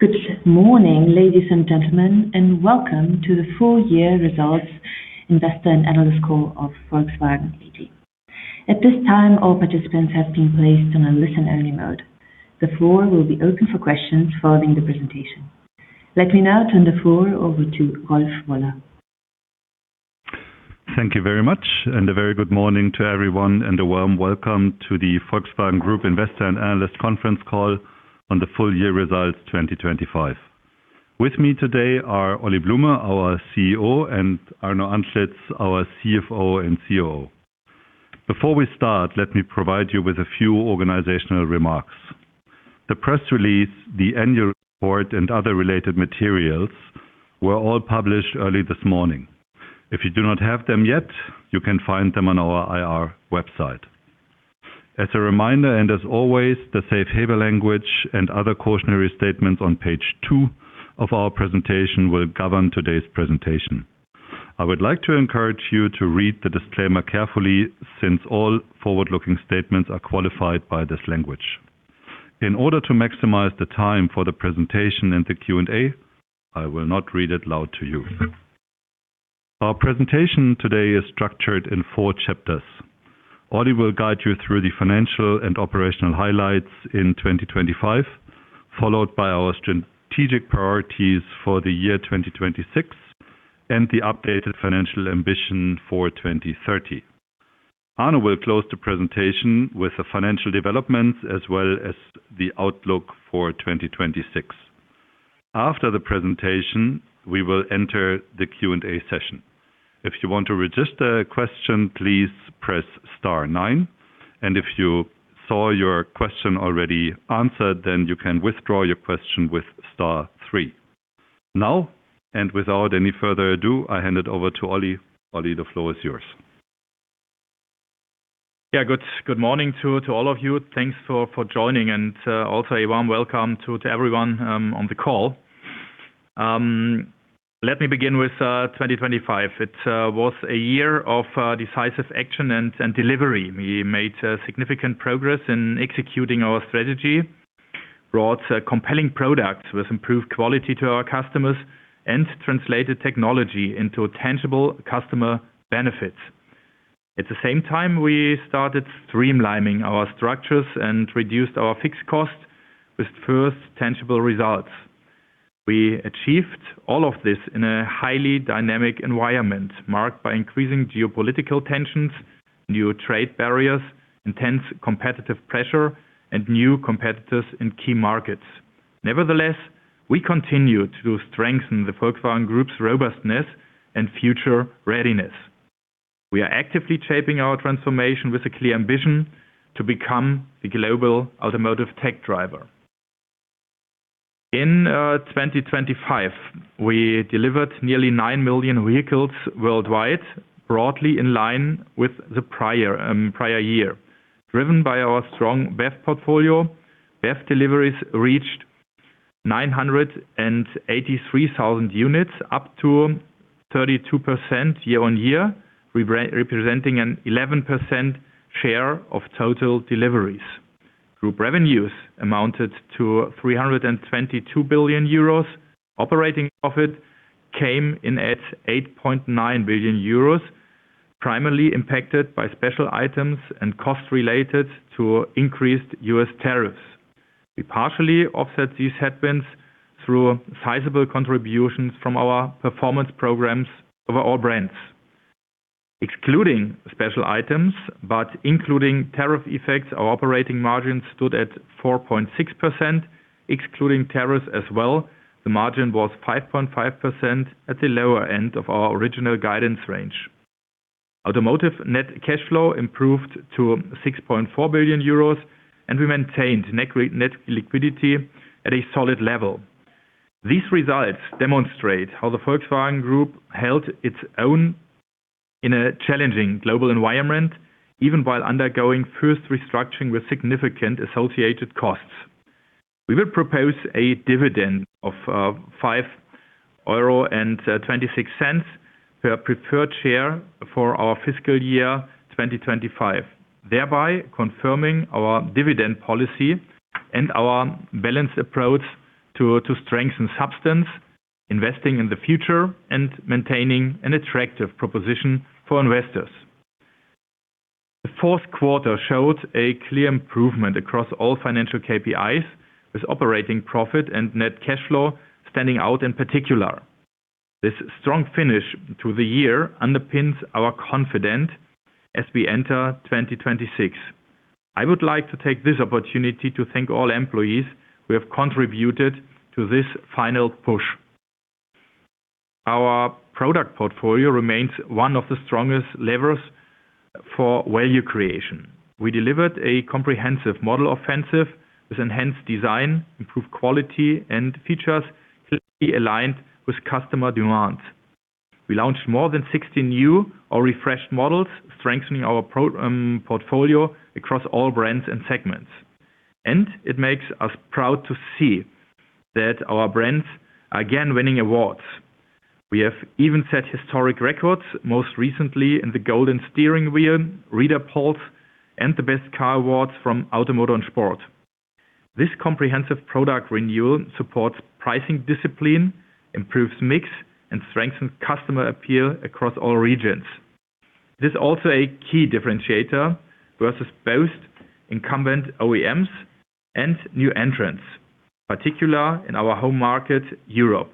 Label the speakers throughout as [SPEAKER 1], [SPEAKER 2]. [SPEAKER 1] Good morning, ladies and gentlemen, and welcome to the full year results investor and analyst call of Volkswagen AG. At this time, all participants have been placed on a listen-only mode. The floor will be open for questions following the presentation. Let me now turn the floor over to Rolf Woller.
[SPEAKER 2] Thank you very much and a very good morning to everyone and a warm welcome to the Volkswagen Group investor and analyst conference call on the full-year results 2025. With me today are Oliver Blume, our CEO, and Arno Antlitz, our CFO and COO. Before we start, let me provide you with a few organizational remarks. The press release, the annual report, and other related materials were all published early this morning. If you do not have them yet, you can find them on our IR website. As a reminder, and as always, the safe harbor language and other cautionary statements on page two of our presentation will govern today's presentation. I would like to encourage you to read the disclaimer carefully, since all forward-looking statements are qualified by this language. In order to maximize the time for the presentation and the Q&A, I will not read it loud to you. Our presentation today is structured in four chapters. Oli will guide you through the financial and operational highlights in 2025, followed by our strategic priorities for the year 2026 and the updated financial ambition for 2030. Arno will close the presentation with the financial developments as well as the outlook for 2026. After the presentation, we will enter the Q&A session. If you want to register a question, please press star nine, and if you saw your question already answered, then you can withdraw your question with star three. Now, and without any further ado, I hand it over to Oli. Oli, the floor is yours.
[SPEAKER 3] Good morning to all of you. Thanks for joining and also a warm welcome to everyone on the call. Let me begin with 2025. It was a year of decisive action and delivery. We made significant progress in executing our strategy, brought compelling products with improved quality to our customers, and translated technology into tangible customer benefits. At the same time, we started streamlining our structures and reduced our fixed costs with first tangible results. We achieved all of this in a highly dynamic environment marked by increasing geopolitical tensions, new trade barriers, intense competitive pressure, and new competitors in key markets. Nevertheless, we continue to strengthen the Volkswagen Group's robustness and future readiness. We are actively shaping our transformation with a clear ambition to become the global automotive tech driver. In 2025, we delivered nearly 9 million vehicles worldwide, broadly in line with the prior year. Driven by our strong BEV portfolio, BEV deliveries reached 983,000 units, up 32% year-over-year, representing an 11% share of total deliveries. Group revenues amounted to 322 billion euros. Operating profit came in at 8.9 billion euros, primarily impacted by special items and costs related to increased U.S. tariffs. We partially offset these headwinds through sizable contributions from our performance programs over all brands. Excluding special items, but including tariff effects, our operating margin stood at 4.6%. Excluding tariffs as well, the margin was 5.5% at the lower end of our original guidance range. Automotive net cash flow improved to 6.4 billion euros, and we maintained net liquidity at a solid level. These results demonstrate how the Volkswagen Group held its own in a challenging global environment, even while undergoing first restructuring with significant associated costs. We will propose a dividend of 5.26 euro per preferred share for our fiscal year 2025, thereby confirming our dividend policy and our balanced approach to strengthen substance, investing in the future, and maintaining an attractive proposition for investors. The fourth quarter showed a clear improvement across all financial KPIs, with operating profit and net cash flow standing out in particular. This strong finish to the year underpins our confidence as we enter 2026. I would like to take this opportunity to thank all employees who have contributed to this final push. Our product portfolio remains one of the strongest levers for value creation. We delivered a comprehensive model offensive with enhanced design, improved quality, and features clearly aligned with customer demands. We launched more than 60 new or refreshed models, strengthening our portfolio across all brands and segments, and it makes us proud to see that our brands are again winning awards. We have even set historic records, most recently in the Golden Steering Wheel, Reader Polls, and the Best Car Awards from Auto Motor und Sport. This comprehensive product renewal supports pricing discipline, improves mix, and strengthens customer appeal across all regions. This is also a key differentiator versus both incumbent OEMs and new entrants, particularly in our home market, Europe.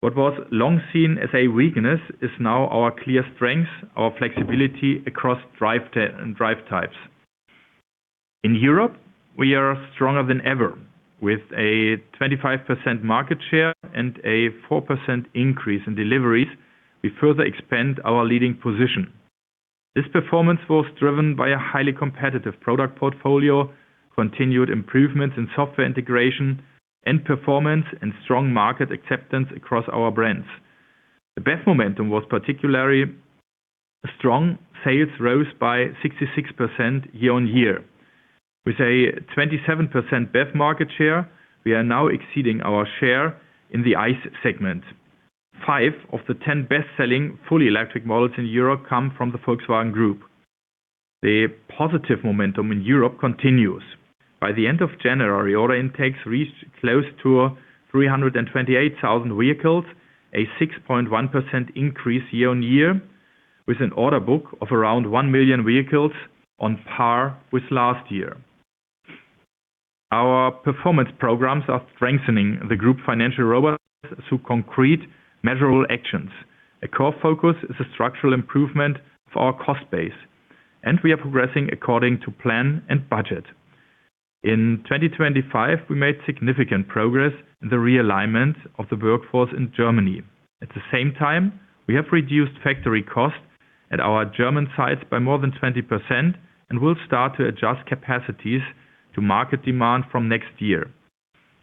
[SPEAKER 3] What was long seen as a weakness is now our clear strength, our flexibility across drive types. In Europe, we are stronger than ever. With a 25% market share and a 4% increase in deliveries, we further expand our leading position. This performance was driven by a highly competitive product portfolio, continued improvements in software integration, and performance and strong market acceptance across our brands. The BEV momentum was particularly strong. Sales rose by 66% year-on-year. With a 27% BEV market share, we are now exceeding our share in the ICE segment. Five of the 10 best-selling fully electric models in Europe come from the Volkswagen Group. The positive momentum in Europe continues. By the end of January, order intakes reached close to 328,000 vehicles, a 6.1% increase year-on-year, with an order book of around 1 million vehicles on par with last year. Our performance programs are strengthening the group financial robustness through concrete, measurable actions. A core focus is a structural improvement of our cost base, and we are progressing according to plan and budget. In 2025, we made significant progress in the realignment of the workforce in Germany. At the same time, we have reduced factory costs at our German sites by more than 20% and will start to adjust capacities to market demand from next year.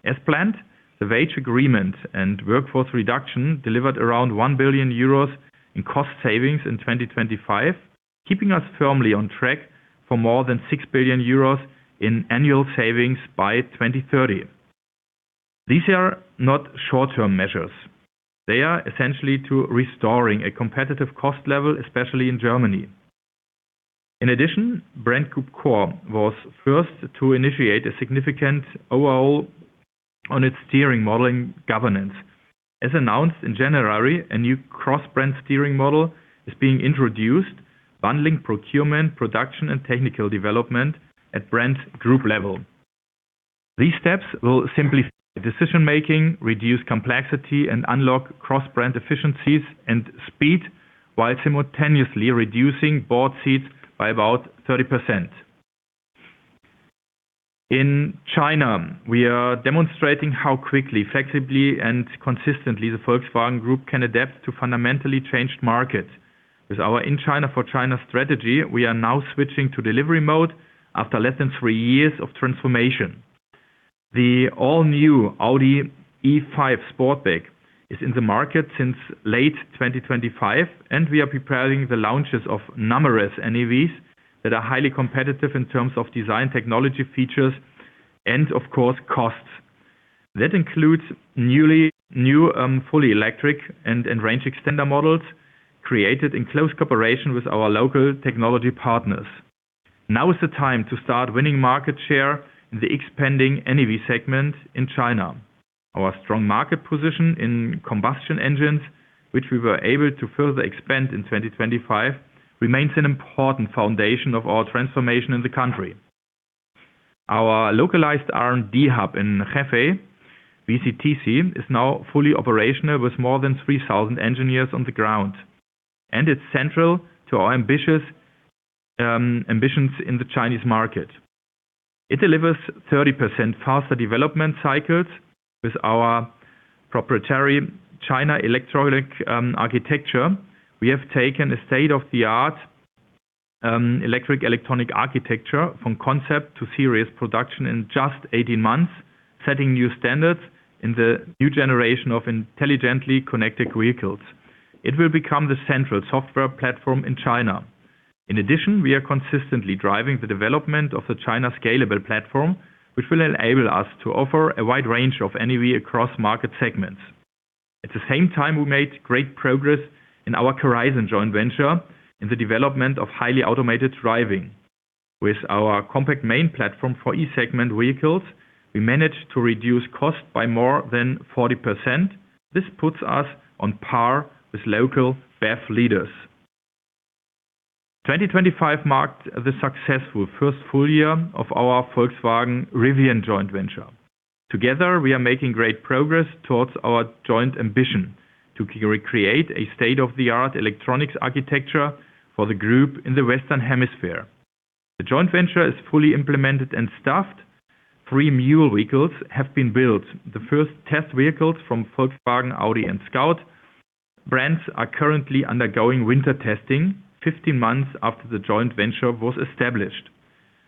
[SPEAKER 3] As planned, the wage agreement and workforce reduction delivered around 1 billion euros in cost savings in 2025, keeping us firmly on track for more than 6 billion euros in annual savings by 2030. These are not short-term measures. They are essential to restoring a competitive cost level, especially in Germany. In addition, Brand Group Core was first to initiate a significant overhaul of its steering, modeling, and governance. As announced in January, a new cross-brand steering model is being introduced, bundling procurement, production, and technical development at brand group level. These steps will simplify decision-making, reduce complexity, and unlock cross-brand efficiencies and speed, while simultaneously reducing board seats by about 30%. In China, we are demonstrating how quickly, flexibly, and consistently the Volkswagen Group can adapt to fundamentally changed markets. With our In China for China strategy, we are now switching to delivery mode after less than three years of transformation. The all-new AUDI E5 Sportback is in the market since late 2025, and we are preparing the launches of numerous NEVs that are highly competitive in terms of design, technology features, and of course, cost. That includes new fully electric and range extender models created in close cooperation with our local technology partners. Now is the time to start winning market share in the expanding NEV segment in China. Our strong market position in combustion engines, which we were able to further expand in 2025, remains an important foundation of our transformation in the country. Our localized R&D hub in Hefei, VCTC, is now fully operational with more than 3,000 engineers on the ground, and it's central to our ambitious ambitions in the Chinese market. It delivers 30% faster development cycles. With our proprietary China Electronic Architecture, we have taken a state-of-the-art electric electronic architecture from concept to series production in just 18 months, setting new standards in the new generation of intelligently connected vehicles. It will become the central software platform in China. In addition, we are consistently driving the development of the China scalable platform, which will enable us to offer a wide range of NEV across market segments. At the same time, we made great progress in our Horizon joint venture in the development of highly automated driving. With our compact main platform for E-segment vehicles, we managed to reduce cost by more than 40%. This puts us on par with local BEV leaders. 2025 marked the successful first full year of our Volkswagen-Rivian joint venture. Together, we are making great progress towards our joint ambition to create a state-of-the-art electronics architecture for the group in the Western Hemisphere. The joint venture is fully implemented and staffed. Three mule vehicles have been built. The first test vehicles from Volkswagen, Audi, and Scout brands are currently undergoing winter testing, 15 months after the joint venture was established.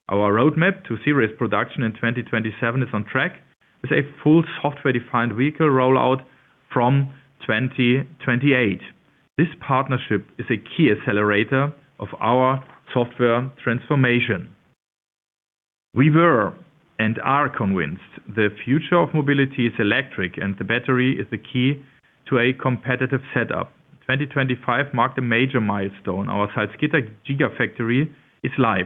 [SPEAKER 3] Our roadmap to serious production in 2027 is on track, with a full software-defined vehicle rollout from 2028. This partnership is a key accelerator of our software transformation. We were and are convinced the future of mobility is electric and the battery is the key to a competitive setup. 2025 marked a major milestone. Our Salzgitter gigafactory is live.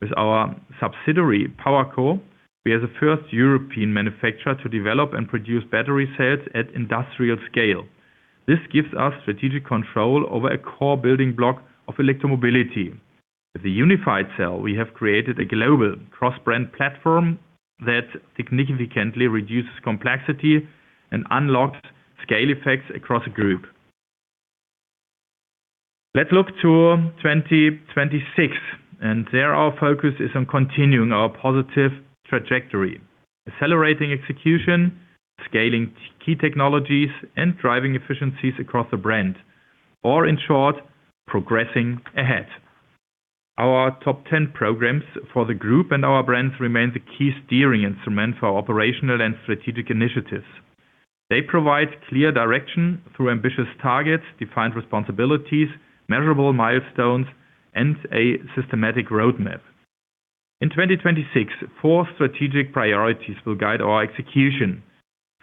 [SPEAKER 3] With our subsidiary, PowerCo, we are the first European manufacturer to develop and produce battery cells at industrial scale. This gives us strategic control over a core building block of electromobility. With the Unified Cell, we have created a global cross-brand platform that significantly reduces complexity and unlocks scale effects across the group. Let's look to 2026, and there our focus is on continuing our positive trajectory, accelerating execution, scaling key technologies, and driving efficiencies across the brand, or in short, progressing ahead. Our top ten programs for the group and our brands remain the key steering instrument for operational and strategic initiatives. They provide clear direction through ambitious targets, defined responsibilities, measurable milestones, and a systematic roadmap. In 2026, four strategic priorities will guide our execution.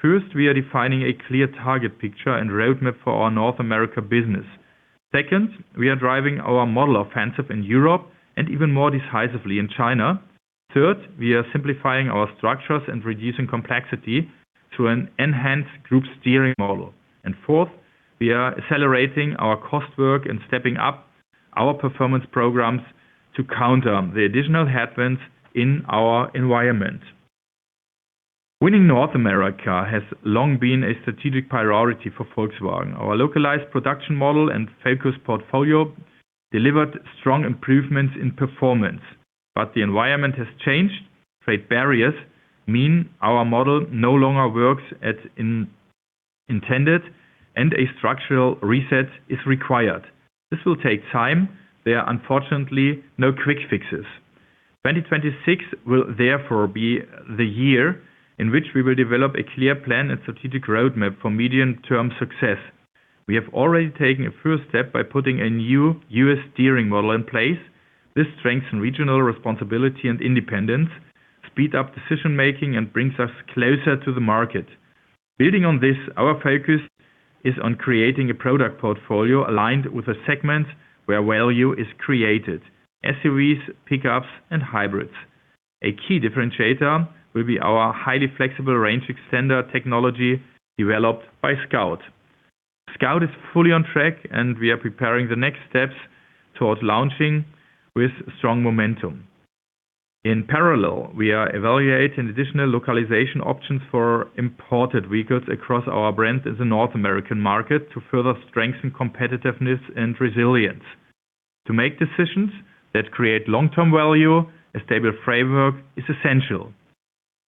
[SPEAKER 3] First, we are defining a clear target picture and roadmap for our North America business. Second, we are driving our model offensive in Europe and even more decisively in China. Third, we are simplifying our structures and reducing complexity to an enhanced group steering model. Fourth, we are accelerating our cost work and stepping up our performance programs to counter the additional headwinds in our environment. Winning North America has long been a strategic priority for Volkswagen. Our localized production model and focused portfolio delivered strong improvements in performance, but the environment has changed. Trade barriers mean our model no longer works as intended, and a structural reset is required. This will take time. There are unfortunately no quick fixes. 2026 will therefore be the year in which we will develop a clear plan and strategic roadmap for medium-term success. We have already taken a first step by putting a new U.S. steering model in place. This strengthens regional responsibility and independence, speeds up decision-making, and brings us closer to the market. Building on this, our focus is on creating a product portfolio aligned with a segment where value is created, SUVs, pickups, and hybrids. A key differentiator will be our highly flexible range extender technology developed by Scout. Scout is fully on track, and we are preparing the next steps towards launching with strong momentum. In parallel, we are evaluating additional localization options for imported vehicles across our brands in the North American market to further strengthen competitiveness and resilience. To make decisions that create long-term value, a stable framework is essential.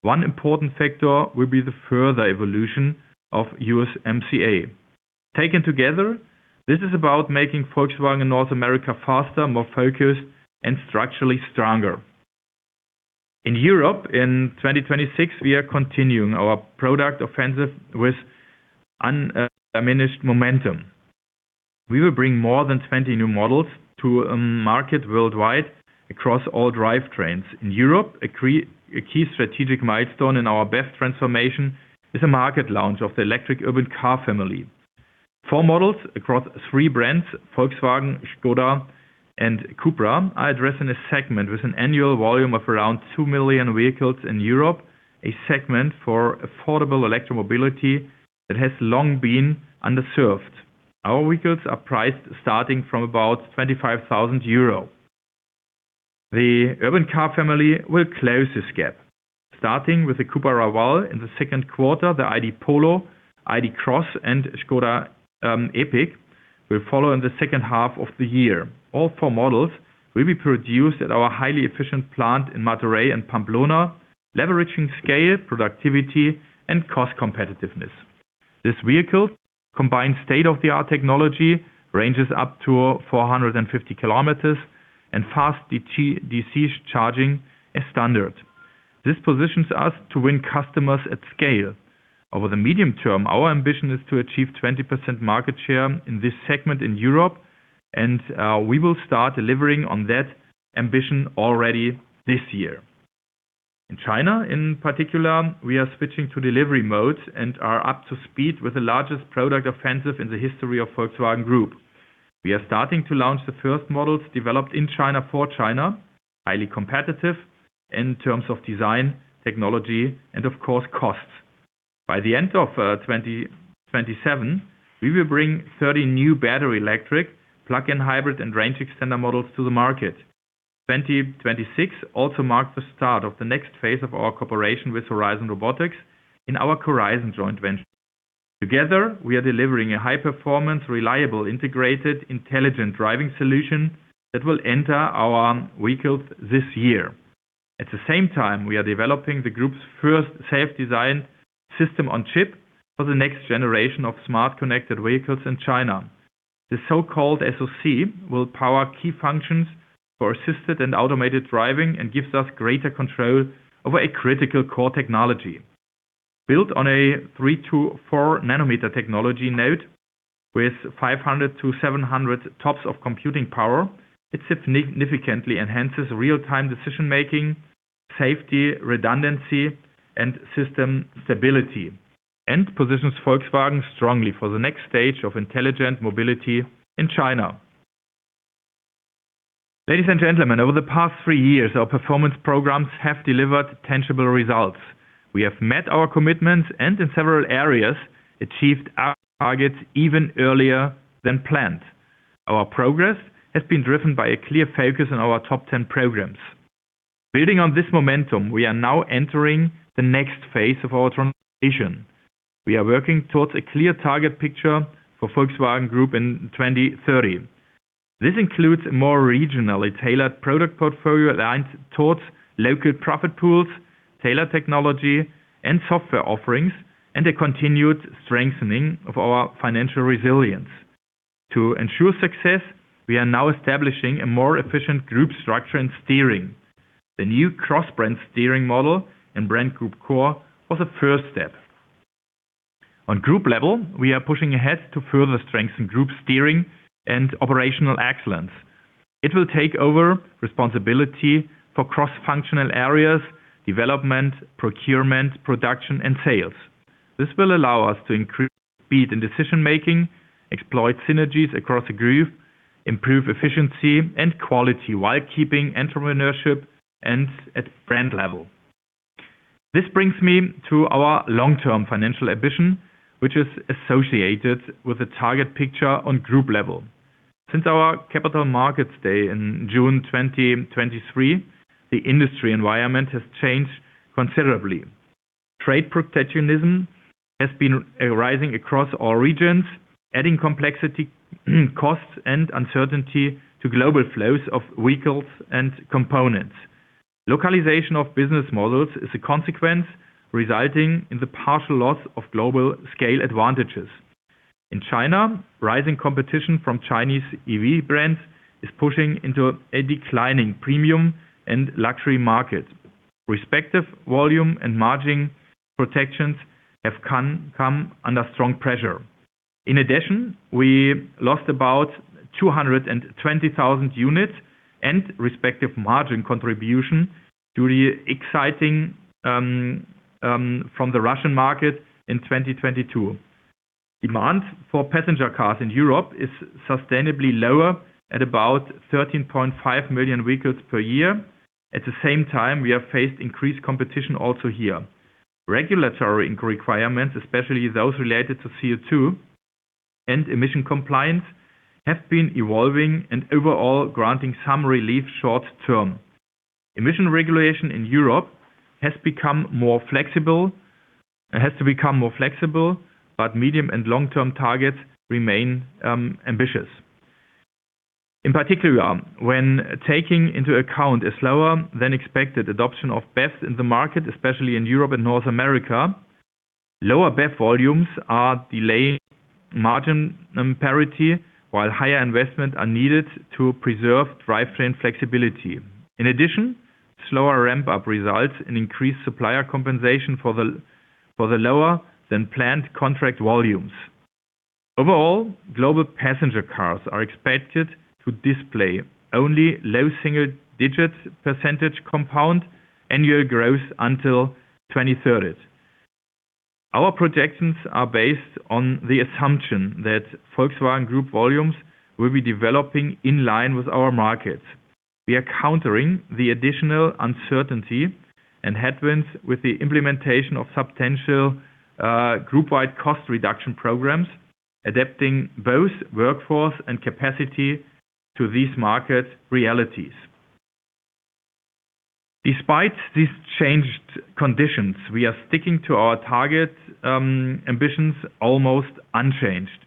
[SPEAKER 3] One important factor will be the further evolution of USMCA. Taken together, this is about making Volkswagen North America faster, more focused, and structurally stronger. In Europe, in 2026, we are continuing our product offensive with undiminished momentum. We will bring more than 20 new models to market worldwide across all drivetrains. In Europe, a key strategic milestone in our BEST transformation is a market launch of the electric urban car family. Four models across three brands, Volkswagen, Škoda, and Cupra, are addressing a segment with an annual volume of around 2 million vehicles in Europe, a segment for affordable electromobility that has long been underserved. Our vehicles are priced starting from about 25,000 euro. The urban car family will close this gap. Starting with the Cupra Raval in the second quarter, the ID. Polo, ID. Cross, and Škoda Epiq will follow in the second half of the year. All four models will be produced at our highly efficient plant in Martorell and Pamplona, leveraging scale, productivity, and cost competitiveness. These vehicles combine state-of-the-art technology, ranges up to 450 kilometers, and fast DC charging as standard. This positions us to win customers at scale. Over the medium term, our ambition is to achieve 20% market share in this segment in Europe and we will start delivering on that ambition already this year. In China, in particular, we are switching to delivery mode and are up to speed with the largest product offensive in the history of Volkswagen Group. We are starting to launch the first models developed in China for China, highly competitive in terms of design, technology, and of course, cost. By the end of 2027, we will bring 30 new battery electric, plug-in hybrid, and range extender models to the market. 2026 also marks the start of the next phase of our cooperation with Horizon Robotics in our CARIZON joint venture. Together, we are delivering a high-performance, reliable, integrated, intelligent driving solution that will enter our vehicles this year. At the same time, we are developing the group's first scalable design system-on-chip for the next generation of smart connected vehicles in China. The so-called SoC will power key functions for assisted and automated driving and gives us greater control over a critical core technology. Built on a 3 nm-4 nm technology node with 500-700 TOPS of computing power, it significantly enhances real-time decision-making, safety, redundancy, and system stability, and positions Volkswagen strongly for the next stage of intelligent mobility in China. Ladies and gentlemen, over the past three years, our performance programs have delivered tangible results. We have met our commitments and in several areas, achieved our targets even earlier than planned. Our progress has been driven by a clear focus on our top 10 programs. Building on this momentum, we are now entering the next phase of our transformation. We are working towards a clear target picture for Volkswagen Group in 2030. This includes a more regionally tailored product portfolio aligned towards local profit pools, tailored technology and software offerings, and a continued strengthening of our financial resilience. To ensure success, we are now establishing a more efficient group structure and steering. The new cross-brand steering model and Brand Group Core was a first step. On group level, we are pushing ahead to further strengthen group steering and operational excellence. It will take over responsibility for cross-functional areas, development, procurement, production and sales. This will allow us to increase speed in decision-making, exploit synergies across the group, improve efficiency and quality while keeping entrepreneurship and at brand level. This brings me to our long-term financial ambition, which is associated with a target picture on group level. Since our capital markets day in June 2023, the industry environment has changed considerably. Trade protectionism has been arising across all regions, adding complexity, costs and uncertainty to global flows of vehicles and components. Localization of business models is a consequence resulting in the partial loss of global scale advantages. In China, rising competition from Chinese EV brands is pushing into a declining premium and luxury market. Respective volume and margin protections have come under strong pressure. In addition, we lost about 220,000 units and respective margin contribution due to exiting from the Russian market in 2022. Demand for passenger cars in Europe is sustainably lower at about 13.5 million vehicles per year. At the same time, we have faced increased competition also here. Regulatory requirements, especially those related to CO₂ and emission compliance, have been evolving and overall granting some relief short-term. Emission regulation in Europe has to become more flexible, but medium- and long-term targets remain ambitious. In particular, when taking into account a slower than expected adoption of BEV in the market, especially in Europe and North America, lower BEV volumes are delaying margin parity while higher investment are needed to preserve drivetrain flexibility. In addition, slower ramp-up results in increased supplier compensation for the lower than planned contract volumes. Overall, global passenger cars are expected to display only low single-digit percentage compound annual growth until 2030. Our projections are based on the assumption that Volkswagen Group volumes will be developing in line with our markets. We are countering the additional uncertainty and headwinds with the implementation of substantial group-wide cost reduction programs, adapting both workforce and capacity to these market realities. Despite these changed conditions, we are sticking to our target ambitions almost unchanged.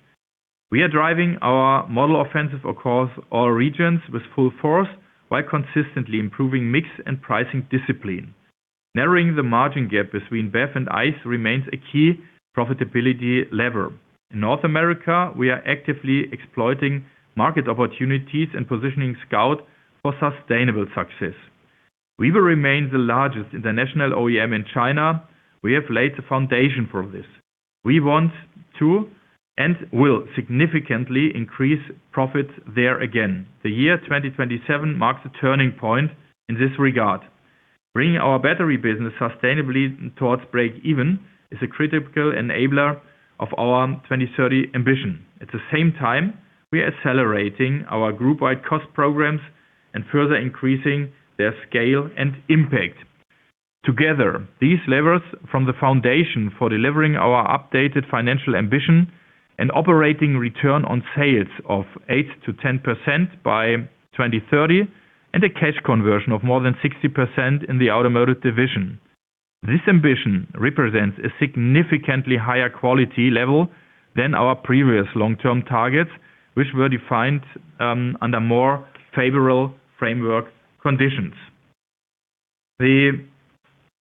[SPEAKER 3] We are driving our model offensive across all regions with full force while consistently improving mix and pricing discipline. Narrowing the margin gap between BEV and ICE remains a key profitability lever. In North America, we are actively exploiting market opportunities and positioning Scout for sustainable success. We will remain the largest international OEM in China. We have laid the foundation for this. We want to, and will, significantly increase profits there again. The year 2027 marks a turning point in this regard. Bringing our battery business sustainably towards break even is a critical enabler of our 2030 ambition. At the same time, we are accelerating our group-wide cost programs and further increasing their scale and impact. Together, these levers form the foundation for delivering our updated financial ambition, an operating return on sales of 8%-10% by 2030 and a cash conversion of more than 60% in the automotive division. This ambition represents a significantly higher quality level than our previous long-term targets, which were defined under more favorable framework conditions. The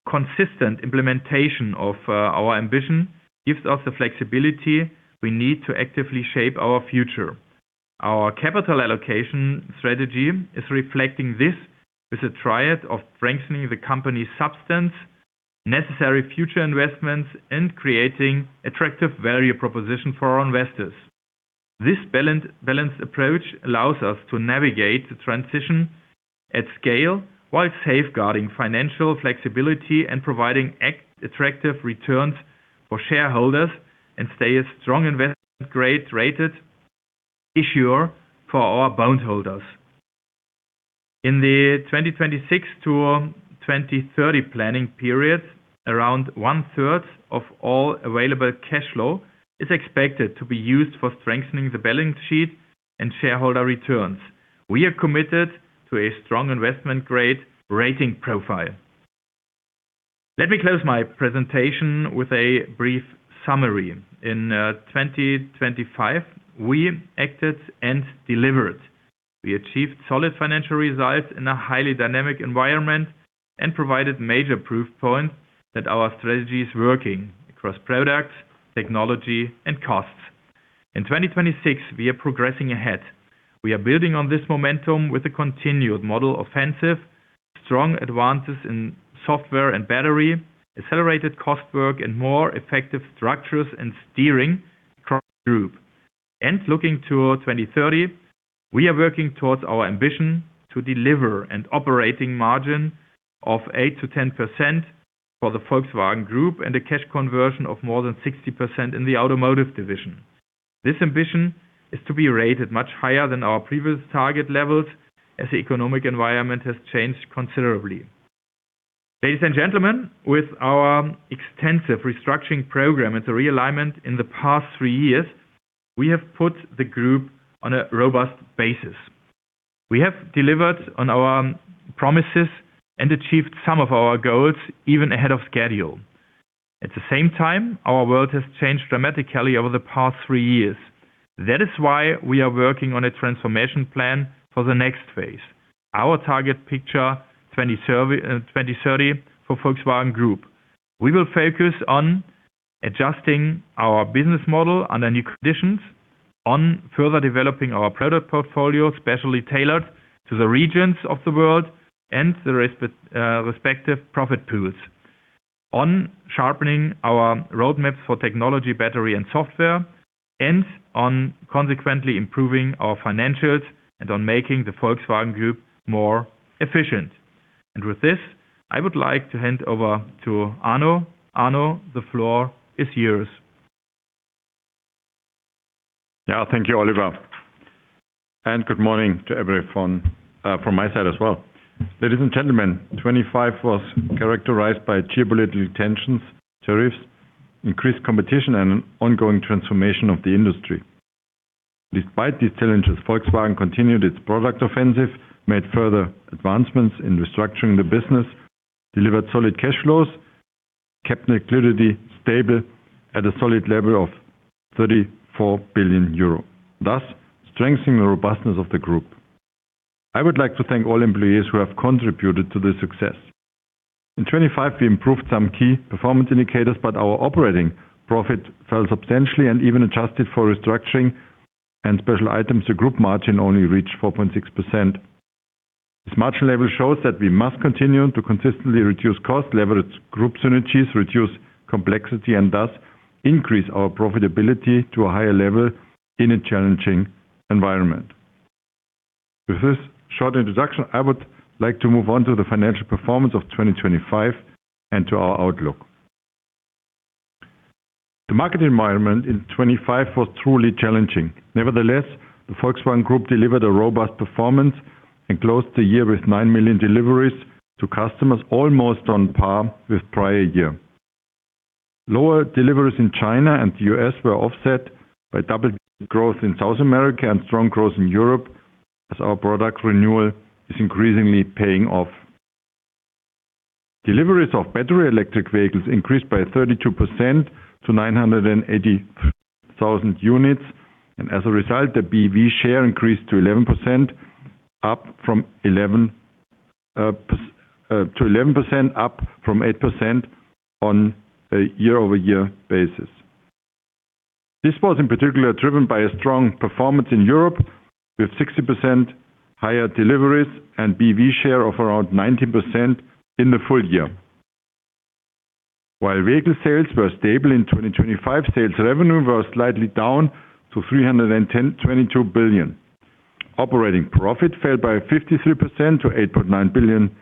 [SPEAKER 3] consistent implementation of our ambition gives us the flexibility we need to actively shape our future. Our capital allocation strategy is reflecting this with a triad of strengthening the company's substance, necessary future investments, and creating attractive value proposition for our investors. This balanced approach allows us to navigate the transition at scale while safeguarding financial flexibility and providing attractive returns for shareholders and stay a strong investment grade-rated issuer for our bondholders. In the 2026-2030 planning period, around 1/3 of all available cash flow is expected to be used for strengthening the balance sheet and shareholder returns. We are committed to a strong investment grade rating profile. Let me close my presentation with a brief summary. In 2025, we acted and delivered. We achieved solid financial results in a highly dynamic environment and provided major proof points that our strategy is working across products, technology and costs. In 2026, we are progressing ahead. We are building on this momentum with a continued model offensive, strong advances in software and battery, accelerated cost work and more effective structures and steering across the group. Looking toward 2030, we are working towards our ambition to deliver an operating margin of 8%-10% for the Volkswagen Group and a cash conversion of more than 60% in the automotive division. This ambition is to be rated much higher than our previous target levels as the economic environment has changed considerably. Ladies and gentlemen, with our extensive restructuring program and the realignment in the past three years, we have put the group on a robust basis. We have delivered on our promises and achieved some of our goals even ahead of schedule. At the same time, our world has changed dramatically over the past three years. That is why we are working on a transformation plan for the next phase, our target picture 2030 for Volkswagen Group. We will focus on adjusting our business model under new conditions on further developing our product portfolio, specially tailored to the regions of the world and the respective profit pools. On sharpening our roadmaps for technology, battery and software, and on consequently improving our financials and on making the Volkswagen Group more efficient. With this, I would like to hand over to Arno. Arno, the floor is yours.
[SPEAKER 4] Yeah. Thank you, Oliver, and good morning to everyone from my side as well. Ladies and gentlemen, 2025 was characterized by geopolitical tensions, tariffs, increased competition and ongoing transformation of the industry. Despite these challenges, Volkswagen continued its product offensive, made further advancements in restructuring the business, delivered solid cash flows, kept liquidity stable at a solid level of 34 billion euro, thus strengthening the robustness of the group. I would like to thank all employees who have contributed to this success. In 2025, we improved some key performance indicators, but our operating profit fell substantially and even adjusted for restructuring and special items, the group margin only reached 4.6%. This margin level shows that we must continue to consistently reduce costs, leverage group synergies, reduce complexity, and thus increase our profitability to a higher level in a challenging environment. With this short introduction, I would like to move on to the financial performance of 2025 and to our outlook. The market environment in 2025 was truly challenging. Nevertheless, the Volkswagen Group delivered a robust performance and closed the year with 9 million deliveries to customers, almost on par with prior year. Lower deliveries in China and the U.S. were offset by double-digit growth in South America and strong growth in Europe, as our product renewal is increasingly paying off. Deliveries of battery electric vehicles increased by 32% to 980,000 units, and as a result, the BEV share increased to 11%, up from 8% on a year-over-year basis. This was in particular driven by a strong performance in Europe, with 60% higher deliveries and BEV share of around 19% in the full year. While vehicle sales were stable in 2025, sales revenue was slightly down to 322 billion. Operating profit fell by 53% to 8.9 billion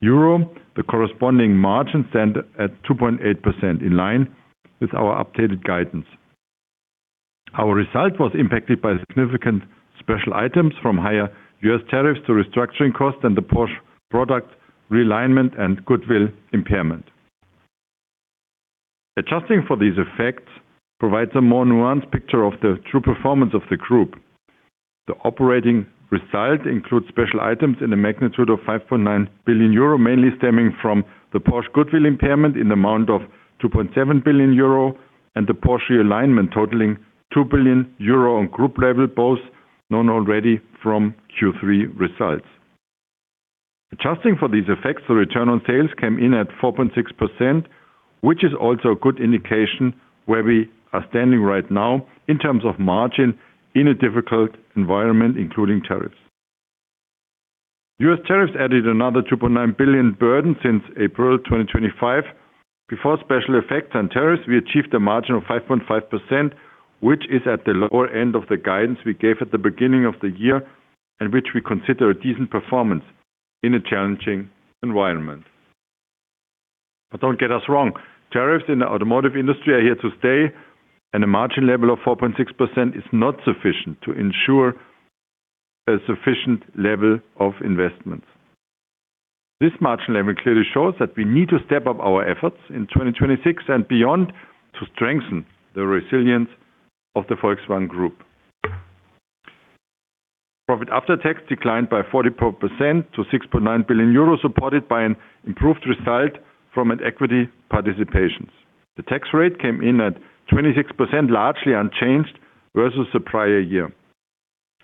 [SPEAKER 4] euro. The corresponding margin stand at 2.8% in line with our updated guidance. Our result was impacted by significant special items from higher U.S. tariffs to restructuring costs and the Porsche product realignment and goodwill impairment. Adjusting for these effects provides a more nuanced picture of the true performance of the group. The operating result includes special items in a magnitude of 5.9 billion euro, mainly stemming from the Porsche goodwill impairment in the amount of 2.7 billion euro and the Porsche realignment totaling 2 billion euro on group level, both known already from Q3 results. Adjusting for these effects, the return on sales came in at 4.6%, which is also a good indication where we are standing right now in terms of margin in a difficult environment, including tariffs. U.S. tariffs added another 2.9 billion burden since April 2025. Before special effects and tariffs, we achieved a margin of 5.5%, which is at the lower end of the guidance we gave at the beginning of the year and which we consider a decent performance in a challenging environment. Don't get us wrong, tariffs in the automotive industry are here to stay, and a margin level of 4.6% is not sufficient to ensure a sufficient level of investments. This margin level clearly shows that we need to step up our efforts in 2026 and beyond to strengthen the resilience of the Volkswagen Group. Profit after tax declined by 44% to 6.9 billion euros, supported by an improved result from an equity participations. The tax rate came in at 26%, largely unchanged versus the prior year.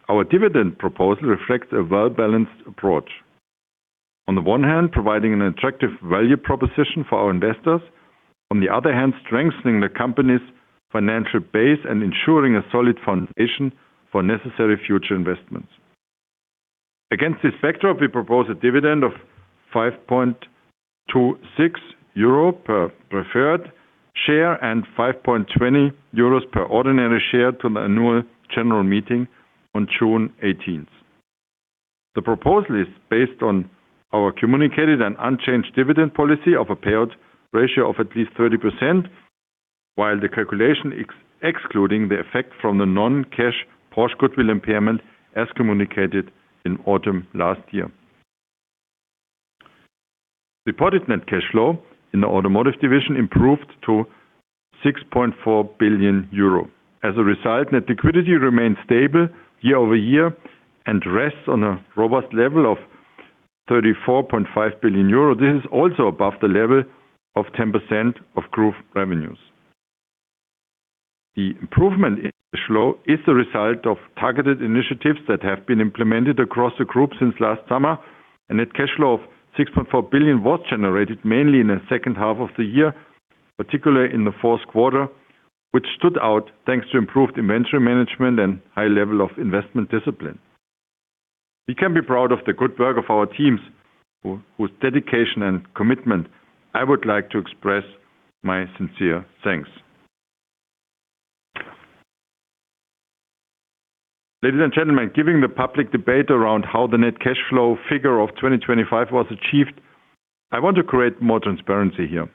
[SPEAKER 4] Our dividend proposal reflects a well-balanced approach. On the one hand, providing an attractive value proposition for our investors. On the other hand, strengthening the company's financial base and ensuring a solid foundation for necessary future investments. Against this backdrop, we propose a dividend of 5.26 euro per preferred share and 5.20 euros per ordinary share to the annual general meeting on June 18th. The proposal is based on our communicated and unchanged dividend policy of a payout ratio of at least 30%, while the calculation excluding the effect from the non-cash Porsche goodwill impairment, as communicated in autumn last year. Reported net cash flow in the automotive division improved to 6.4 billion euro. As a result, net liquidity remains stable year-over-year and rests on a robust level of 34.5 billion euro. This is also above the level of 10% of group revenues. The improvement in cash flow is the result of targeted initiatives that have been implemented across the group since last summer. A net cash flow of 6.4 billion was generated mainly in the second half of the year, particularly in the fourth quarter, which stood out thanks to improved inventory management and high level of investment discipline. We can be proud of the good work of our teams, whose dedication and commitment I would like to express my sincere thanks. Ladies and gentlemen, given the public debate around how the net cash flow figure of 2025 was achieved, I want to create more transparency here.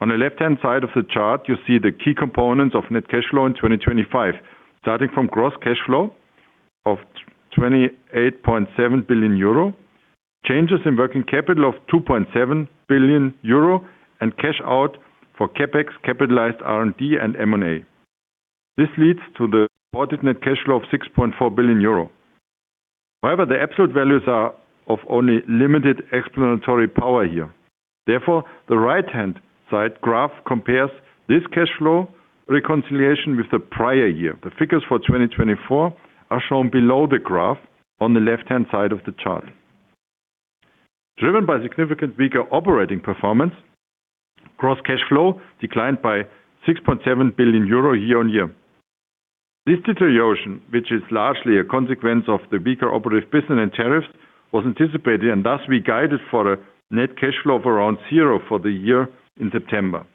[SPEAKER 4] On the left-hand side of the chart, you see the key components of net cash flow in 2025, starting from gross cash flow of 28.7 billion euro, changes in working capital of 2.7 billion euro, and cash out for CapEx, capitalized R&D, and M&A. This leads to the reported net cash flow of 6.4 billion euro. However, the absolute values are of only limited explanatory power here. Therefore, the right-hand side graph compares this cash flow reconciliation with the prior year. The figures for 2024 are shown below the graph on the left-hand side of the chart. Driven by significantly weaker operating performance, gross cash flow declined by 6.7 billion euro year-on-year. This deterioration, which is largely a consequence of the weaker operating business and tariffs, was anticipated and thus we guided for a net cash flow of around zero for the year in September.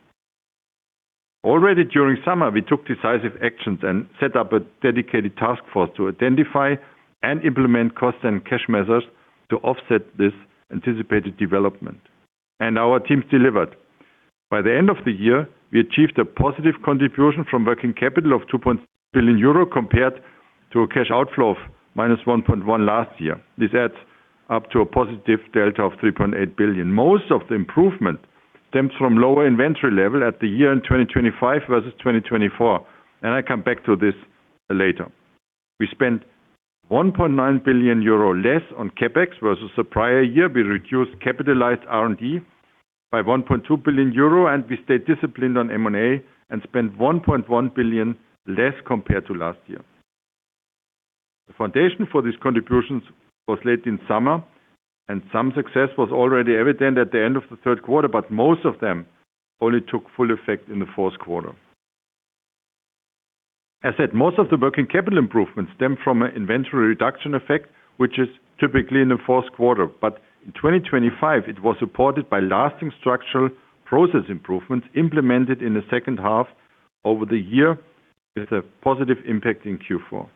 [SPEAKER 4] Already during summer, we took decisive actions and set up a dedicated task force to identify and implement cost and cash measures to offset this anticipated development. Our teams delivered. By the end of the year, we achieved a positive contribution from working capital of 2 billion euro compared to a cash outflow of minus 1.1 billion last year. This adds up to a positive delta of 3.8 billion. Most of the improvement stems from lower inventory level at the year-end 2025 versus 2024, and I come back to this later. We spent 1.9 billion euro less on CapEx versus the prior year. We reduced capitalized R&D by 1.2 billion euro, and we stayed disciplined on M&A and spent 1.1 billion less compared to last year. The foundation for these contributions was laid in summer, and some success was already evident at the end of the third quarter, but most of them only took full effect in the fourth quarter. As said, most of the working capital improvements stem from an inventory reduction effect, which is typically in the fourth quarter. In 2025, it was supported by lasting structural process improvements implemented in the second half over the year with a positive impact in Q4.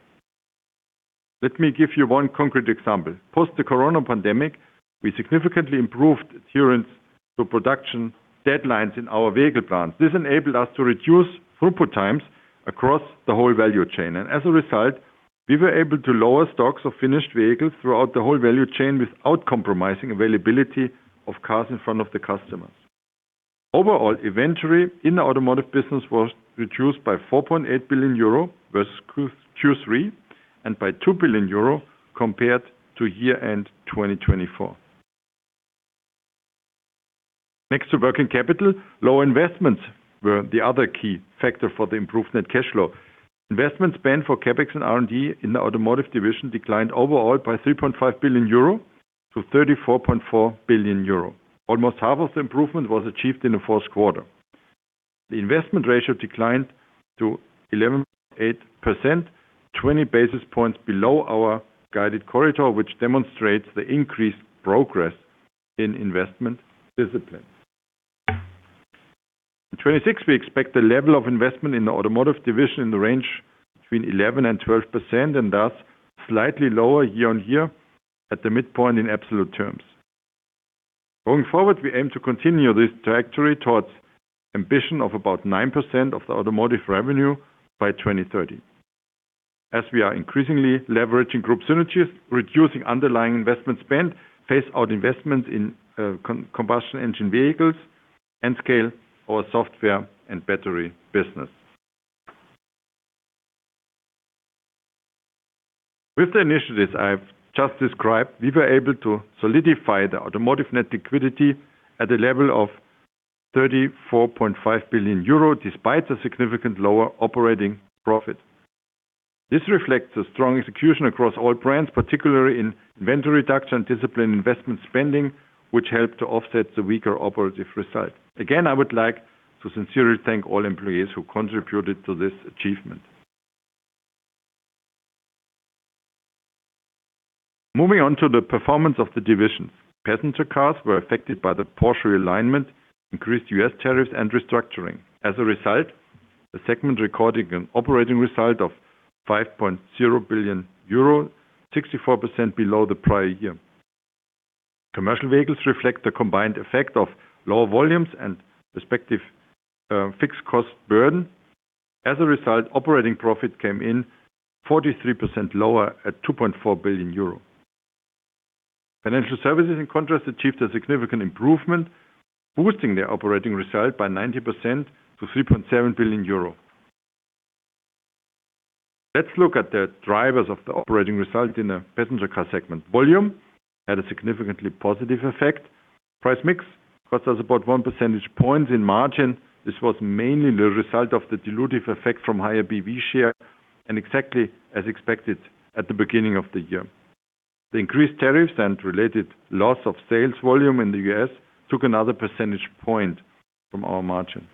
[SPEAKER 4] Let me give you one concrete example. Post the corona pandemic, we significantly improved adherence to production deadlines in our vehicle plants. This enabled us to reduce throughput times across the whole value chain. As a result, we were able to lower stocks of finished vehicles throughout the whole value chain without compromising availability of cars in front of the customers. Overall, inventory in the automotive business was reduced by 4.8 billion euro versus Q3 and by 2 billion euro compared to year-end 2024. Next to working capital, lower investments were the other key factor for the improved net cash flow. Investment spend for CapEx and R&D in the automotive division declined overall by 30.5 billion euro to 34.4 billion euro. Almost half of the improvement was achieved in the first quarter. The investment ratio declined to 11.8%, 20 basis points below our guided corridor, which demonstrates the increased progress in investment discipline. In 2026, we expect the level of investment in the automotive division in the range between 11% and 12%, and thus slightly lower year-on-year at the midpoint in absolute terms. Going forward, we aim to continue this trajectory towards ambition of about 9% of the automotive revenue by 2030. As we are increasingly leveraging group synergies, reducing underlying investment spend, phase out investment in combustion engine vehicles and scale our software and battery business. With the initiatives I've just described, we were able to solidify the automotive net liquidity at a level of 34.5 billion euro, despite the significant lower operating profit. This reflects a strong execution across all brands, particularly in inventory reduction, disciplined investment spending, which helped to offset the weaker operative result. Again, I would like to sincerely thank all employees who contributed to this achievement. Moving on to the performance of the divisions. Passenger cars were affected by the Porsche alignment, increased U.S. tariffs and restructuring. As a result, the segment recording an operating result of 5.0 billion euro, 64% below the prior year. Commercial vehicles reflect the combined effect of lower volumes and respective, fixed cost burden. As a result, operating profit came in 43% lower at 2.4 billion euro. Financial services, in contrast, achieved a significant improvement, boosting their operating result by 90% to 3.7 billion euro. Let's look at the drivers of the operating result in the passenger car segment. Volume had a significantly positive effect. Price mix cost us about one percentage point in margin. This was mainly the result of the dilutive effect from higher BEV share and exactly as expected at the beginning of the year. The increased tariffs and related loss of sales volume in the U.S. took another percentage point from our margin.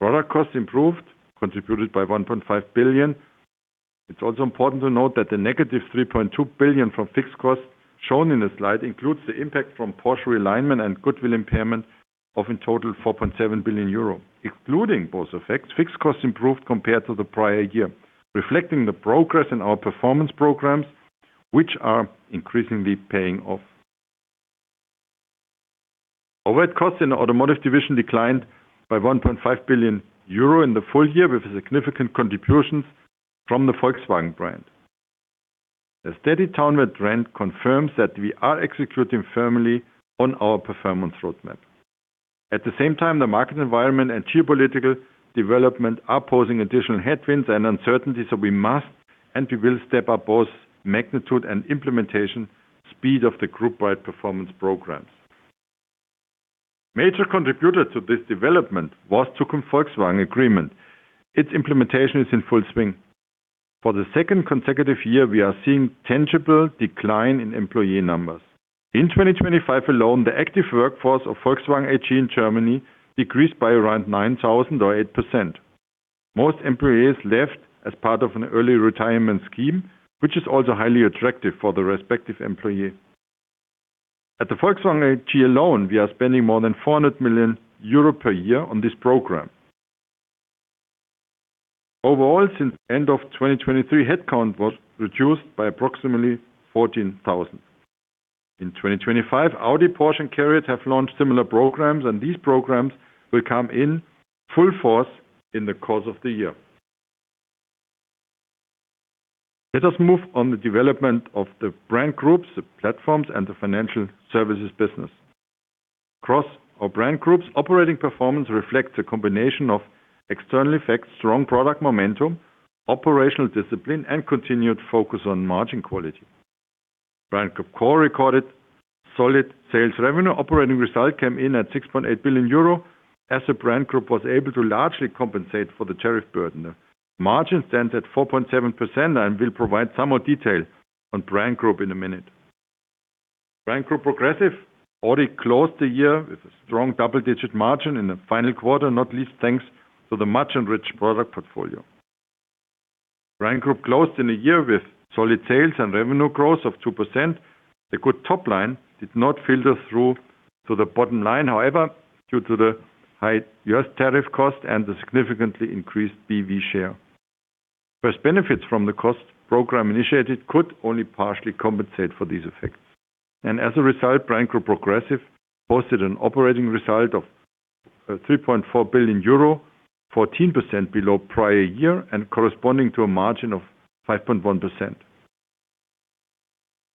[SPEAKER 4] Product costs improved, contributed by 1.5 billion. It's also important to note that the -3.2 billion from fixed costs shown in the slide includes the impact from Porsche realignment and goodwill impairment of, in total, 4.7 billion euro. Excluding both effects, fixed costs improved compared to the prior year, reflecting the progress in our performance programs, which are increasingly paying off. Overhead costs in the automotive division declined by 1.5 billion euro in the full year, with significant contributions from the Volkswagen brand. A steady downward trend confirms that we are executing firmly on our performance roadmap. At the same time, the market environment and geopolitical development are posing additional headwinds and uncertainties, so we must, and we will, step up both magnitude and implementation speed of the group-wide performance programs. Major contributor to this development was the Zukunft Volkswagen agreement. Its implementation is in full swing. For the second consecutive year, we are seeing tangible decline in employee numbers. In 2025 alone, the active workforce of Volkswagen AG in Germany decreased by around 9,000 or 8%. Most employees left as part of an early retirement scheme, which is also highly attractive for the respective employee. At the Volkswagen AG alone, we are spending more than 400 million euro per year on this program. Overall, since end of 2023, headcount was reduced by approximately 14,000. In 2025, Audi, Porsche, and CARIAD have launched similar programs, and these programs will come in full force in the course of the year. Let us move on to the development of the brand groups, the platforms, and the financial services business. Across our brand groups, operating performance reflects a combination of external effects, strong product momentum, operational discipline, and continued focus on margin quality. Brand Group Core recorded solid sales revenue. Operating result came in at 6.8 billion euro as the brand group was able to largely compensate for the tariff burden. Margins stand at 4.7%, and we'll provide some more detail on brand group in a minute. Brand Group Progressive already closed the year with a strong double-digit margin in the final quarter, not least thanks to the much-enriched product portfolio. Brand Group closed in a year with solid sales and revenue growth of 2%. A good top line did not filter through to the bottom line, however, due to the high U.S. tariff cost and the significantly increased BEV share. First benefits from the cost program initiated could only partially compensate for these effects. As a result, Brand Group Progressive posted an operating result of 3.4 billion euro, 14% below prior year and corresponding to a margin of 5.1%.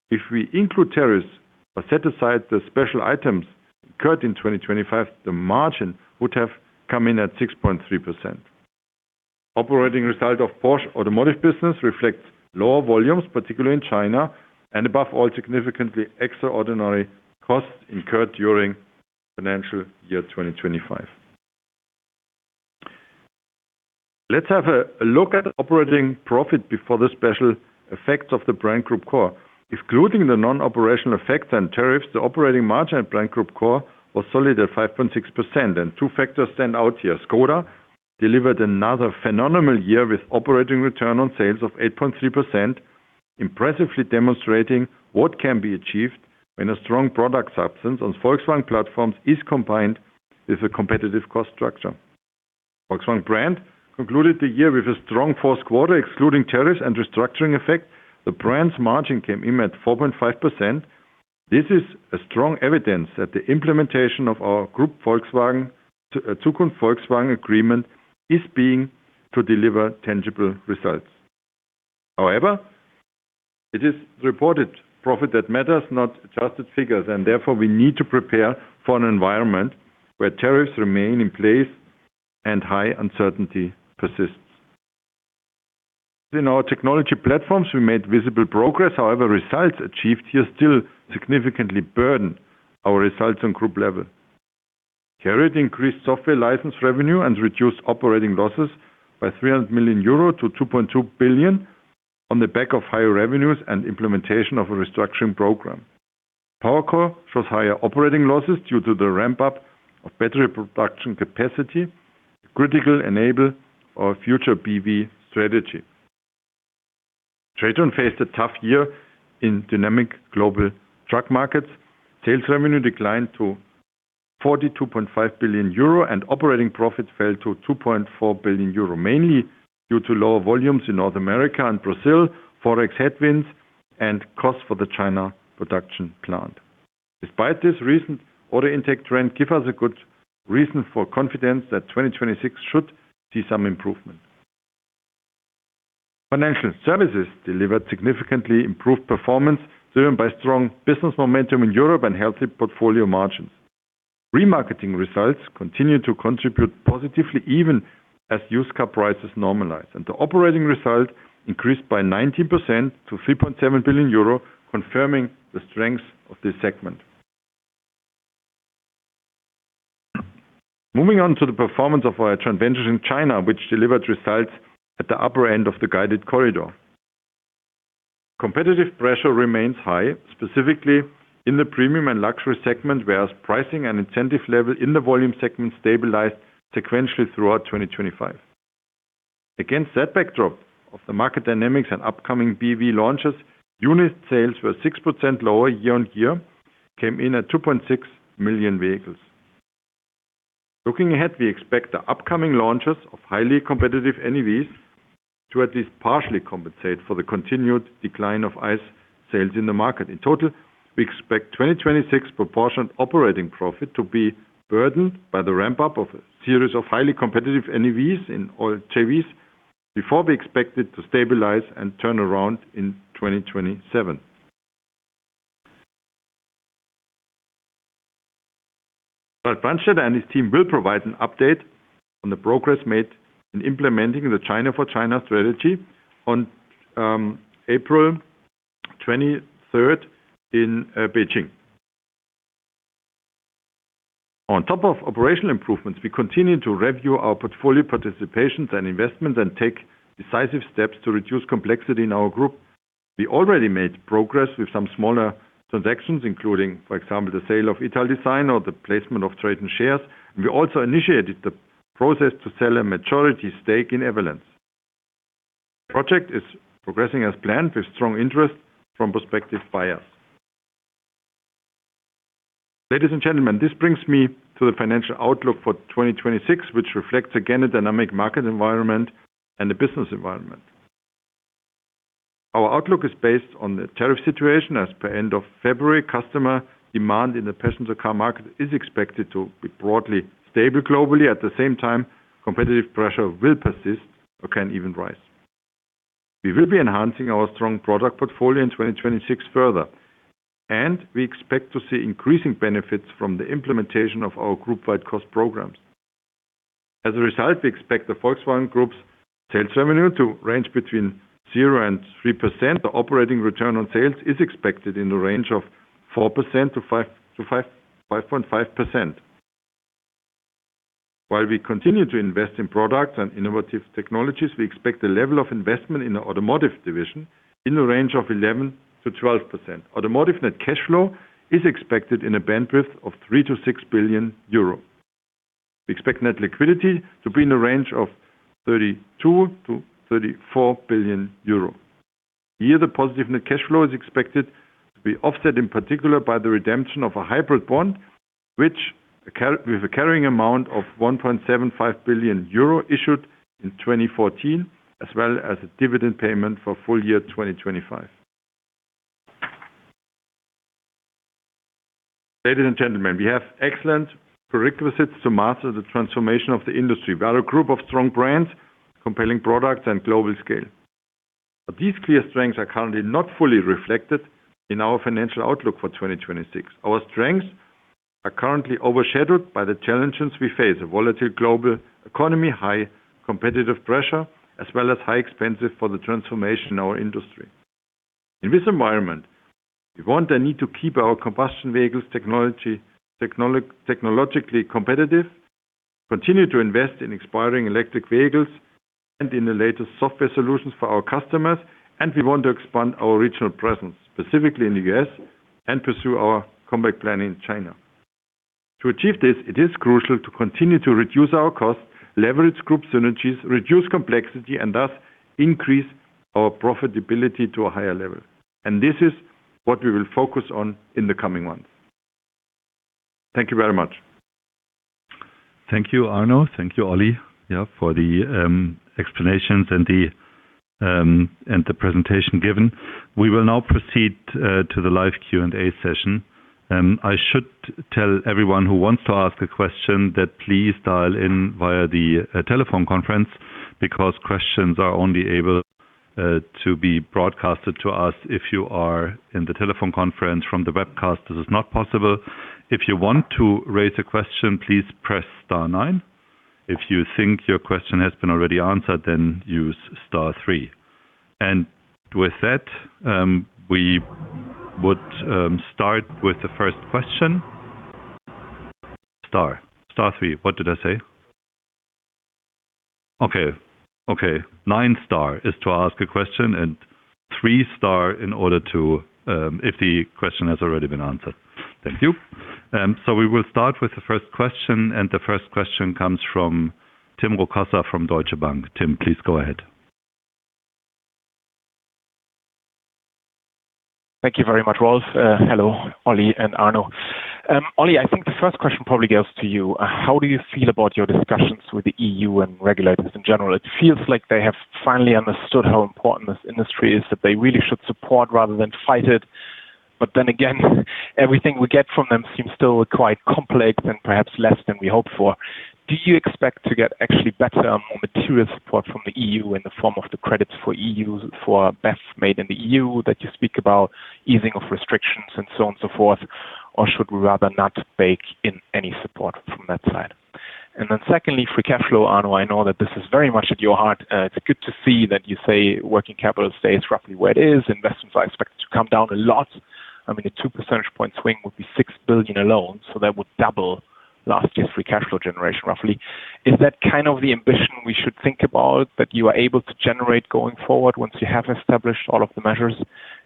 [SPEAKER 4] If we include tariffs or set aside the special items incurred in 2025, the margin would have come in at 6.3%. Operating result of Porsche automotive business reflects lower volumes, particularly in China, and above all, significantly extraordinary costs incurred during financial year 2025. Let's have a look at operating profit before the special effects of the Brand Group Core. Excluding the non-operational effects and tariffs, the operating margin at Brand Group Core was solid at 5.6%, and two factors stand out here. Škoda delivered another phenomenal year with operating return on sales of 8.3%, impressively demonstrating what can be achieved when a strong product substance on Volkswagen platforms is combined with a competitive cost structure. Volkswagen brand concluded the year with a strong fourth quarter, excluding tariffs and restructuring effect. The brand's margin came in at 4.5%. This is a strong evidence that the implementation of our Volkswagen Group Zukunft Volkswagen agreement is being to deliver tangible results. However, it is reported profit that matters, not adjusted figures, and therefore we need to prepare for an environment where tariffs remain in place and high uncertainty persists. In our technology platforms, we made visible progress. However, results achieved here still significantly burden our results on group level. CARIAD increased software license revenue and reduced operating losses by 300 million euro to 2.2 billion on the back of higher revenues and implementation of a restructuring program. PowerCo shows higher operating losses due to the ramp-up of battery production capacity, critical to enable our future BEV strategy. TRATON faced a tough year in dynamic global truck markets. Sales revenue declined to 42.5 billion euro and operating profits fell to 2.4 billion euro, mainly due to lower volumes in North America and Brazil, Forex headwinds, and costs for the China production plant. Despite this recent order intake trend, give us a good reason for confidence that 2026 should see some improvement. Financial services delivered significantly improved performance, driven by strong business momentum in Europe and healthy portfolio margins. Remarketing results continue to contribute positively even as used car prices normalize. The operating result increased by 19% to 3.7 billion euro, confirming the strength of this segment. Moving on to the performance of our joint ventures in China, which delivered results at the upper end of the guided corridor. Competitive pressure remains high, specifically in the premium and luxury segment, whereas pricing and incentive level in the volume segment stabilized sequentially throughout 2025. Against that backdrop of the market dynamics and upcoming BEV launches, unit sales were 6% lower year-over-year, came in at 2.6 million vehicles. Looking ahead, we expect the upcoming launches of highly competitive NEVs to at least partially compensate for the continued decline of ICE sales in the market. In total, we expect 2026 proportionate operating profit to be burdened by the ramp-up of a series of highly competitive NEVs and all JVs before we expect it to stabilize and turn around in 2027. Ralf Brandstätter and his team will provide an update on the progress made in implementing the China for China strategy on April 23rd in Beijing. On top of operational improvements, we continue to review our portfolio participations and investments and take decisive steps to reduce complexity in our group. We already made progress with some smaller transactions, including, for example, the sale of Italdesign or the placement of trade and shares. We also initiated the process to sell a majority stake in Europcar. Project is progressing as planned with strong interest from prospective buyers. Ladies and gentlemen, this brings me to the financial outlook for 2026, which reflects again a dynamic market environment and a business environment. Our outlook is based on the tariff situation. As per end of February, customer demand in the passenger car market is expected to be broadly stable globally. At the same time, competitive pressure will persist or can even rise. We will be enhancing our strong product portfolio in 2026 further, and we expect to see increasing benefits from the implementation of our group-wide cost programs. As a result, we expect the Volkswagen Group's sales revenue to range between 0% and 3%. The operating return on sales is expected in the range of 4%-5.5%. While we continue to invest in products and innovative technologies, we expect the level of investment in the automotive division in the range of 11%-12%. Automotive net cash flow is expected in a bandwidth of 3 billion-6 billion euro. We expect net liquidity to be in the range of 32 billion-34 billion euro. Here, the positive net cash flow is expected to be offset in particular by the redemption of a hybrid bond, which carries a carrying amount of 1.75 billion euro issued in 2014, as well as a dividend payment for full year 2025. Ladies and gentlemen, we have excellent prerequisites to master the transformation of the industry. We are a group of strong brands, compelling products and global scale. These clear strengths are currently not fully reflected in our financial outlook for 2026. Our strengths are currently overshadowed by the challenges we face, a volatile global economy, high competitive pressure, as well as high expenses for the transformation in our industry. In this environment, we want and need to keep our combustion vehicles technology technologically competitive, continue to invest in expanding electric vehicles and in the latest software solutions for our customers, and we want to expand our regional presence, specifically in the U.S., and pursue our comeback plan in China. To achieve this, it is crucial to continue to reduce our costs, leverage group synergies, reduce complexity, and thus increase our profitability to a higher level. This is what we will focus on in the coming months. Thank you very much.
[SPEAKER 2] Thank you, Arno. Thank you, Oli. Yeah, for the explanations and the presentation given. We will now proceed to the live Q&A session. I should tell everyone who wants to ask a question that please dial in via the telephone conference because questions are only able to be broadcasted to us if you are in the telephone conference from the webcast. This is not possible. If you want to raise a question, please press star nine. If you think your question has been already answered, then use star three. With that, we would start with the first question. Star three. What did I say? Okay. Nine star is to ask a question and three star in order to if the question has already been answered. Thank you. We will start with the first question, and the first question comes from Tim Rokossa from Deutsche Bank. Tim, please go ahead.
[SPEAKER 5] Thank you very much, Rolf. Hello, Oli and Arno. Oli, I think the first question probably goes to you. How do you feel about your discussions with the EU and regulators in general? It feels like they have finally understood how important this industry is, that they really should support rather than fight it. But then again, everything we get from them seems still quite complex and perhaps less than we hoped for. Do you expect to get actually better, more material support from the EU in the form of the credits for EU, for BEVs made in the EU that you speak about, easing of restrictions and so on and so forth, or should we rather not bake in any support from that side? Then secondly, free cash flow, Arno, I know that this is very much at your heart. It's good to see that you say working capital stays roughly where it is. Investments are expected to come down a lot. I mean, a two percentage point swing would be 6 billion alone, so that would double last year's free cash flow generation, roughly. Is that kind of the ambition we should think about, that you are able to generate going forward once you have established all of the measures?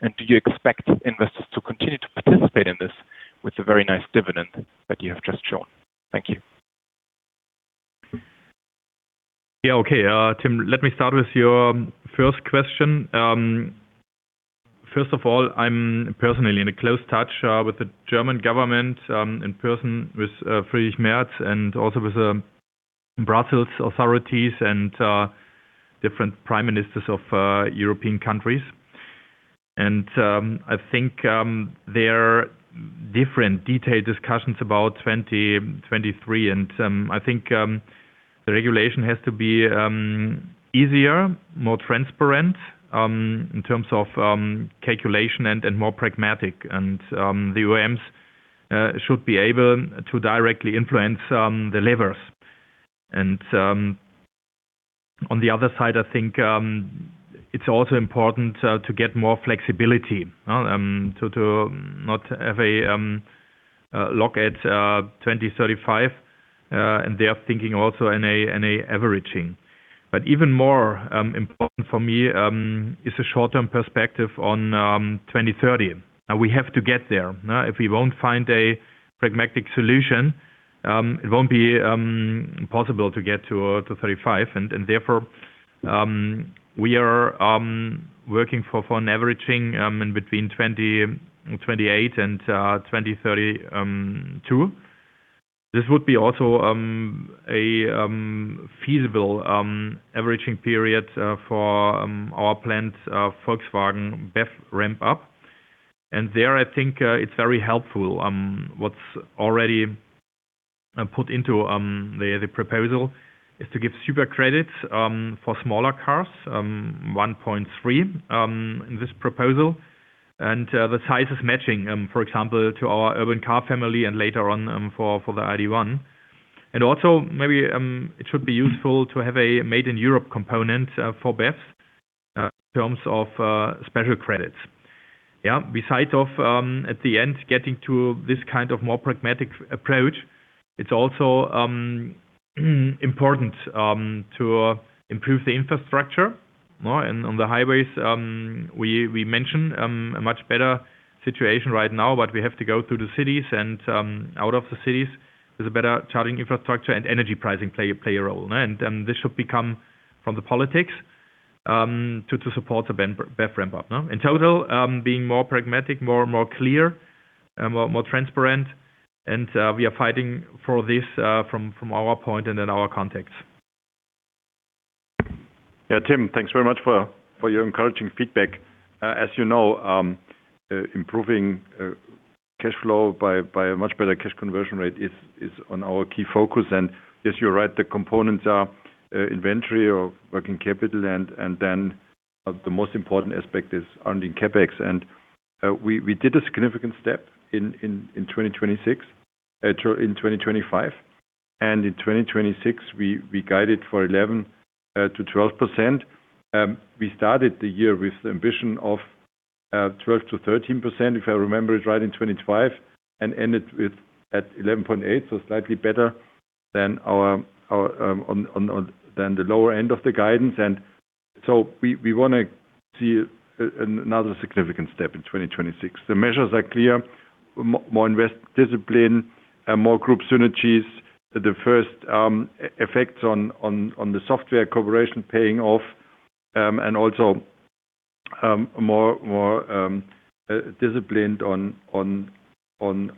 [SPEAKER 5] Do you expect investors to continue to participate in this with the very nice dividend that you have just shown? Thank you.
[SPEAKER 3] Yeah. Okay, Tim, let me start with your first question. First of all, I'm personally in close touch with the German government, in person with Friedrich Merz and also with Brussels authorities and different prime ministers of European countries. I think there are different detailed discussions about 2023, and I think the regulation has to be easier, more transparent in terms of calculation and more pragmatic. The OEMs should be able to directly influence the levers. On the other side, I think it's also important to get more flexibility, to not have a look at 2035, and they are thinking also in averaging. Even more important for me is the short-term perspective on 2030. We have to get there. Now, if we won't find a pragmatic solution, it won't be possible to get to 2035. Therefore, we are working for an averaging in between 2028 and 2032. This would be also a feasible averaging period for our planned Volkswagen BEV ramp up. There, I think, it's very helpful, what's already put into the proposal is to give super-credits for smaller cars, 1.3 in this proposal. The size is matching, for example, to our urban car family and later on, for the ID.1. Also maybe it should be useful to have a made in Europe component for BEVs in terms of special credits. Yeah. Besides of at the end getting to this kind of more pragmatic approach, it's also important to improve the infrastructure and on the highways we mentioned a much better situation right now, but we have to go through the cities and out of the cities with a better charging infrastructure and energy pricing play a role. This should become from the politics to support the BEV ramp up. In total, being more pragmatic, more clear, more transparent. We are fighting for this from our point and in our context.
[SPEAKER 4] Yeah. Tim, thanks very much for your encouraging feedback. As you know, Improving cash flow by a much better cash conversion rate is on our key focus. Yes, you're right, the components are inventory or working capital and then the most important aspect is CapEx. We did a significant step in 2025. In 2026, we guided for 11%-12%. We started the year with the ambition of 12%-13%, if I remember it right in 2025, and ended with 11.8%, so slightly better than the lower end of the guidance. We want to see another significant step in 2026. The measures are clear. More investment discipline, more group synergies. The first effects on the software cooperation paying off, and also more disciplined on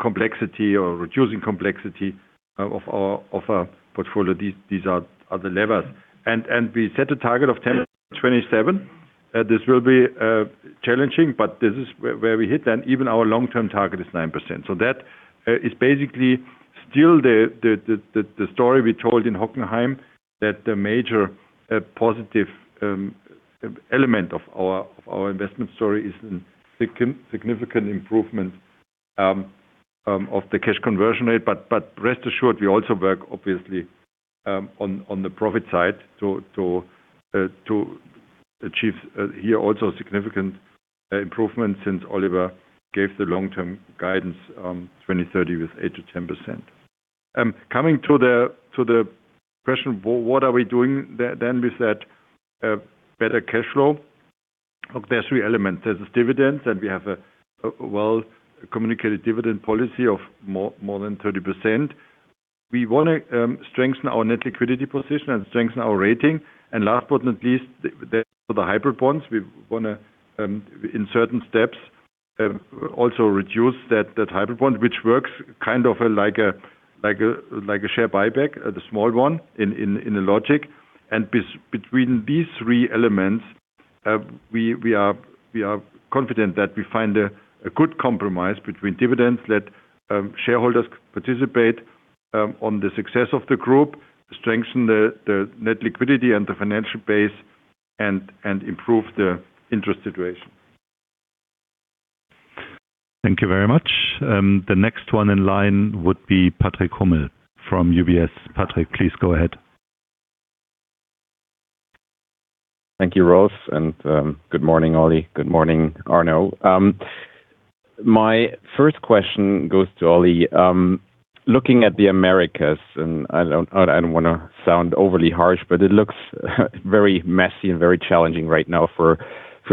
[SPEAKER 4] complexity or reducing complexity of our portfolio. These are the levers. We set a target of 10%-27%. This will be challenging, but this is where we hit. Even our long-term target is 9%. That is basically still the story we told in Hockenheim, that the major positive element of our investment story is in significant improvement of the cash conversion rate. Rest assured, we also work obviously on the profit side to achieve here also significant improvement since Oliver gave the long-term guidance on 2030 with 8%-10%. Coming to the question, what are we doing then with that better cash flow? Look, there are three elements. There's dividends, and we have a well-communicated dividend policy of more than 30%. We wanna strengthen our net liquidity position and strengthen our rating. Last but not least, for the hybrid bonds, we wanna in certain steps also reduce that hybrid bond, which works kind of like a share buyback, the small one in the long run. Between these three elements, we are confident that we find a good compromise between dividends, let shareholders participate on the success of the group, strengthen the net liquidity and the financial base, and improve the interest situation.
[SPEAKER 2] Thank you very much. The next one in line would be Patrick Hummel from UBS. Patrick, please go ahead.
[SPEAKER 6] Thank you, Rolf, and good morning, Oli. Good morning, Arno. My first question goes to Oli. Looking at the Americas, and I don't wanna sound overly harsh, but it looks very messy and very challenging right now for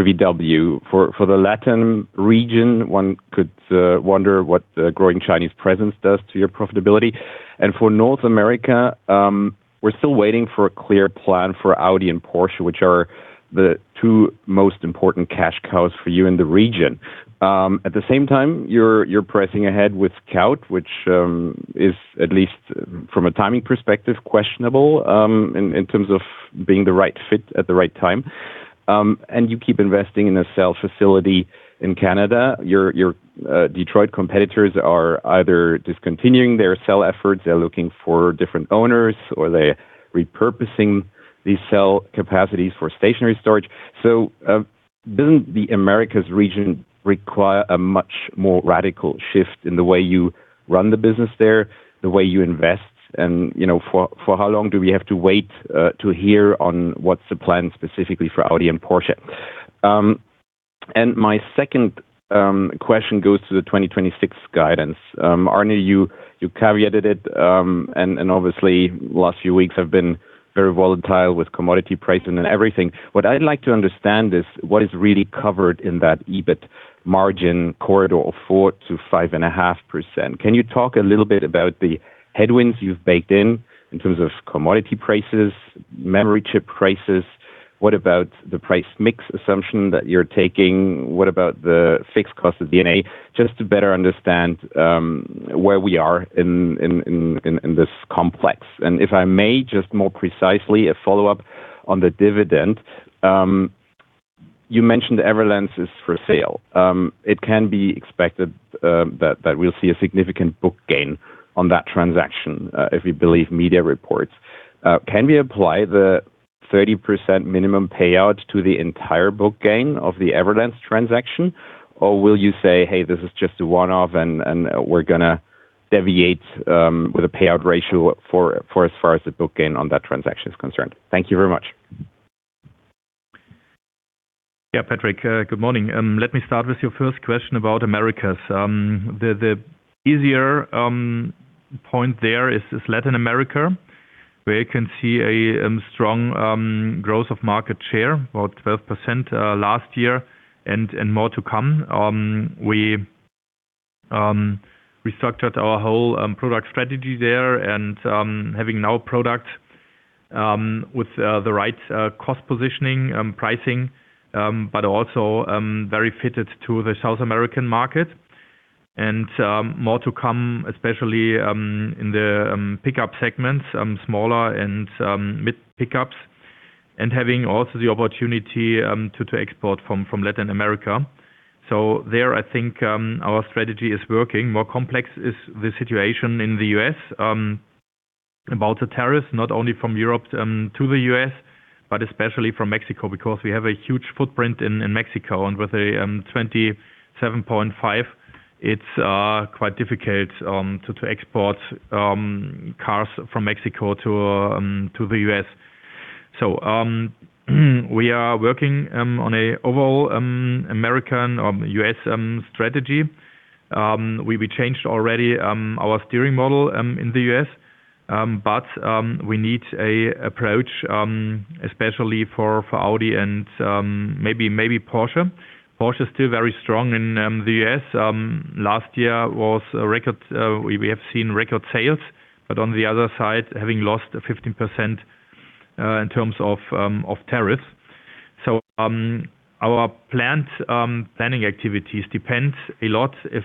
[SPEAKER 6] VW. For the Latin region, one could wonder what the growing Chinese presence does to your profitability. For North America, we're still waiting for a clear plan for Audi and Porsche, which are the two most important cash cows for you in the region. At the same time, you're pressing ahead with Scout, which is at least from a timing perspective, questionable in terms of being the right fit at the right time. You keep investing in a cell facility in Canada. Your Detroit competitors are either discontinuing their cell efforts, they're looking for different owners, or they're repurposing these cell capacities for stationary storage. Doesn't the Americas region require a much more radical shift in the way you run the business there, the way you invest, and, you know, for how long do we have to wait to hear on what's the plan specifically for Audi and Porsche? My second question goes to the 2026 guidance. Arno, you caveated it, and obviously, last few weeks have been very volatile with commodity pricing and everything. What I'd like to understand is what is really covered in that EBIT margin corridor of 4%-5.5%. Can you talk a little bit about the headwinds you've baked in in terms of commodity prices, memory chip prices? What about the price mix assumption that you're taking? What about the fixed cost of DNA? Just to better understand, where we are in this complex. If I may, just more precisely a follow-up on the dividend. You mentioned Europcar is for sale. It can be expected, that we'll see a significant book gain on that transaction, if we believe media reports. Can we apply the 30% minimum payout to the entire book gain of the Europcar transaction? Or will you say, "Hey, this is just a one-off and we're gonna deviate, with a payout ratio for as far as the book gain on that transaction is concerned." Thank you very much.
[SPEAKER 3] Yeah. Patrick, good morning. Let me start with your first question about Americas. The easier point there is Latin America, where you can see a strong growth of market share, about 12% last year and more to come. We restructured our whole product strategy there and having now product with the right cost positioning, pricing, but also very fitted to the South American market. More to come, especially in the pickup segments, smaller and mid pickups. Having also the opportunity to export from Latin America. There, I think, our strategy is working. More complex is the situation in the U.S. about the tariffs, not only from Europe to the U.S., but especially from Mexico, because we have a huge footprint in Mexico. With a 27.5%, it's quite difficult to export cars from Mexico to the U.S. We are working on an overall American or U.S. strategy. We changed already our sourcing model in the U.S. We need an approach especially for Audi and maybe Porsche. Porsche is still very strong in the U.S. Last year was a record. We have seen record sales, but on the other side, having lost 15% in terms of tariffs. Our planning activities depend a lot if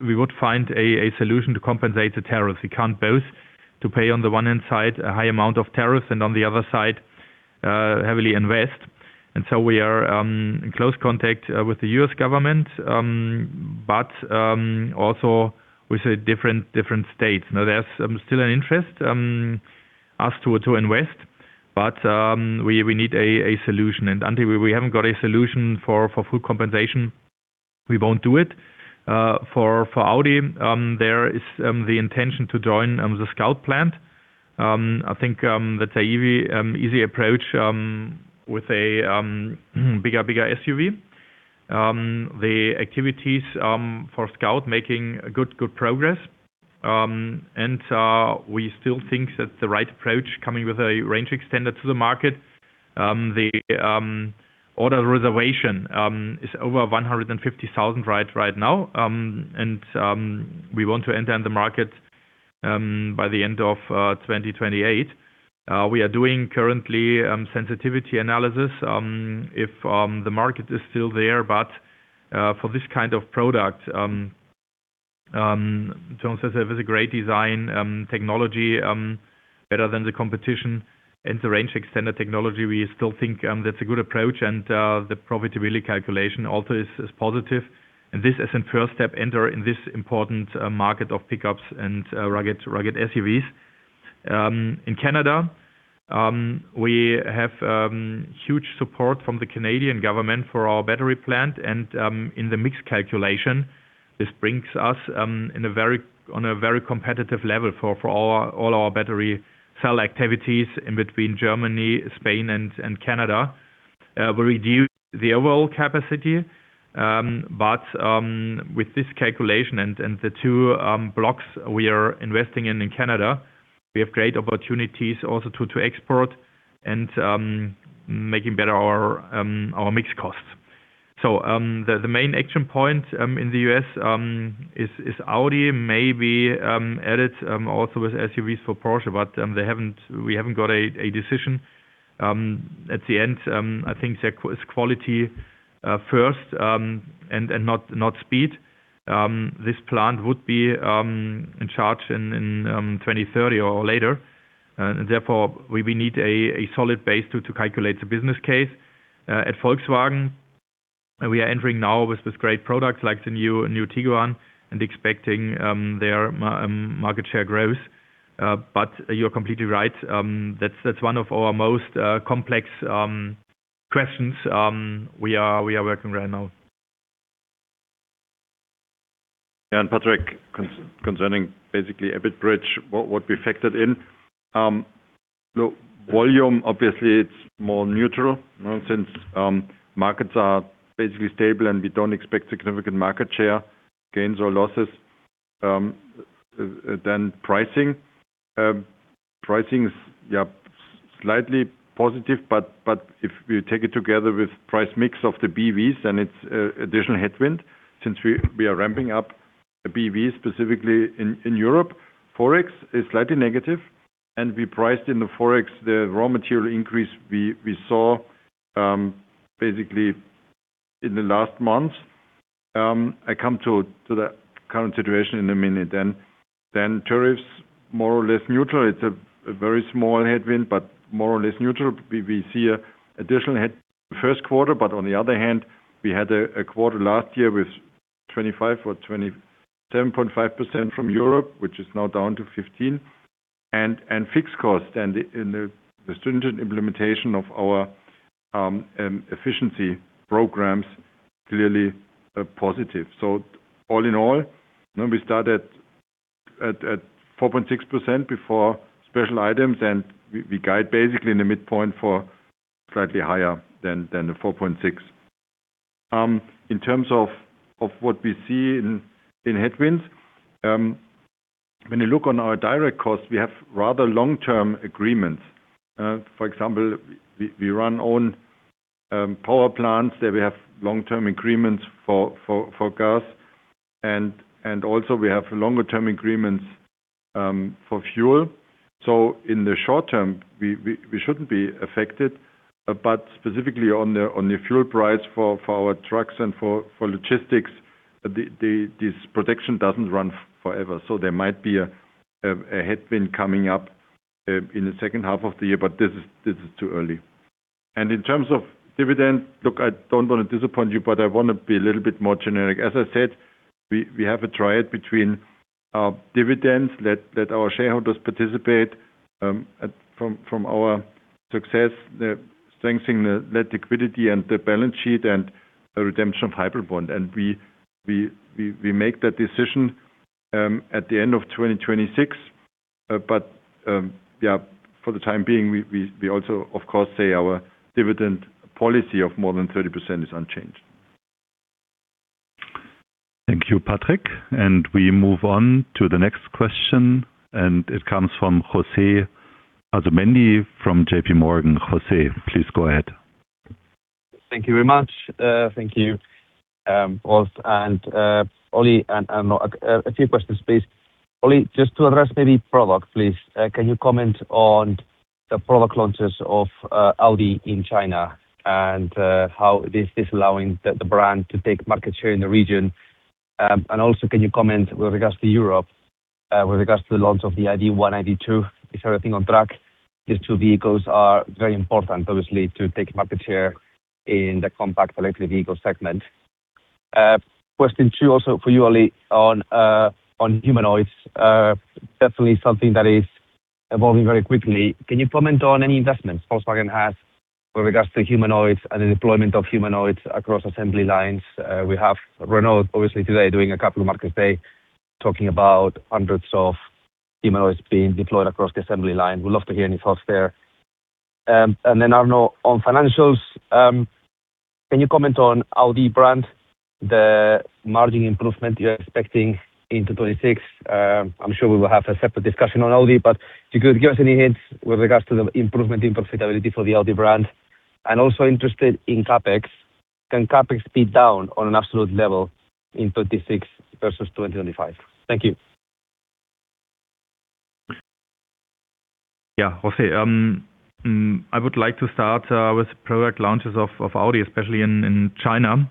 [SPEAKER 3] we would find a solution to compensate the tariffs. We can't both to pay on the one hand side a high amount of tariffs and on the other side heavily invest. We are in close contact with the U.S. government, but also with the different states. Now, there's still an interest us to invest, but we need a solution. Until we haven't got a solution for full compensation, we won't do it. For Audi, there is the intention to join the Scout plant. I think that's an easy approach with a bigger SUV. The activities for Scout making good progress. We still think that's the right approach, coming with a range extender to the market. The order reservation is over 150,000 right now. We want to enter the market by the end of 2028. We are doing currently sensitivity analysis if the market is still there. For this kind of product, Scout has a great design, technology better than the competition. The range extender technology, we still think that's a good approach. The profitability calculation also is positive. This is the first step to enter this important market of pickups and rugged SUVs. In Canada, we have huge support from the Canadian government for our battery plant. In the mix calculation, this brings us on a very competitive level for all our battery cell activities between Germany, Spain, and Canada. We reduced the overall capacity, but with this calculation and the two blocks we are investing in Canada, we have great opportunities also to export and making better our mix costs. The main action point in the U.S. is Audi maybe added also with SUVs for Porsche, but we haven't got a decision. At the end, I think their quality is first, and not speed. This plant would be in China in 2030 or later. Therefore, we need a solid base to calculate the business case. At Volkswagen, we are entering now with this great products like the new Tiguan and expecting their market share growth. You're completely right. That's one of our most complex questions we are working right now.
[SPEAKER 4] Patrick, concerning basically EBIT bridge, what we factored in. Look, volume obviously it's more neutral, since markets are basically stable, and we don't expect significant market share gains or losses. Then pricing. Pricing is, yeah, slightly positive, but if we take it together with price mix of the BEVs, then it's additional headwind since we are ramping up the BEVs specifically in Europe. Forex is slightly negative, and we priced in the Forex the raw material increase we saw basically in the last month. I come to the current situation in a minute. Tariffs more or less neutral. It's a very small headwind, but more or less neutral. We see an additional headwind in the first quarter, but on the other hand, we had a quarter last year with 25% or 27.5% from Europe, which is now down to 15%. Fixed costs and the stringent implementation of our efficiency programs clearly are positive. All in all, when we start at 4.6% before special items, and we guide basically in the midpoint for slightly higher than the 4.6%. In terms of what we see in headwinds, when you look at our direct costs, we have rather long-term agreements. For example, we run our own power plants that we have long-term agreements for gas. We also have longer-term agreements for fuel. In the short term, we shouldn't be affected. Specifically on the fuel price for our trucks and for logistics, this protection doesn't run forever. There might be a headwind coming up in the second half of the year, but this is too early. In terms of dividends, look, I don't want to disappoint you, but I want to be a little bit more generic. As I said, we have a triad between dividends, let our shareholders participate from our success, the strengthening the liquidity and the balance sheet and the redemption of hybrid bond. We make that decision at the end of 2026. For the time being, we also, of course, say our dividend policy of more than 30% is unchanged.
[SPEAKER 2] Thank you, Patrick. We move on to the next question, and it comes from José Asumendi from JPMorgan. José, please go ahead.
[SPEAKER 7] Thank you very much. Thank you, both Oli and Arno. A few questions, please. Oli, just to address maybe product, please. Can you comment on the product launches of Audi in China and how this is allowing the brand to take market share in the region? And also can you comment with regards to Europe, with regards to the launch of the ID.1, ID.2? Is everything on track? These two vehicles are very important, obviously, to take market share in the compact electric vehicle segment. Question two also for you, Oli, on humanoids. Definitely something that is evolving very quickly. Can you comment on any investments Volkswagen has with regards to humanoids and the deployment of humanoids across assembly lines? We have Renault obviously today doing a Capital Markets Day, talking about hundreds of humanoids being deployed across the assembly line. Would love to hear any thoughts there. Arno, on financials, can you comment on Audi brand, the margin improvement you're expecting into 2026? I'm sure we will have a separate discussion on Audi, but if you could give us any hints with regards to the improvement in profitability for the Audi brand. Also interested in CapEx. Can CapEx be down on an absolute level in 2026 versus 2025? Thank you.
[SPEAKER 3] Yeah. José, I would like to start with product launches of Audi, especially in China.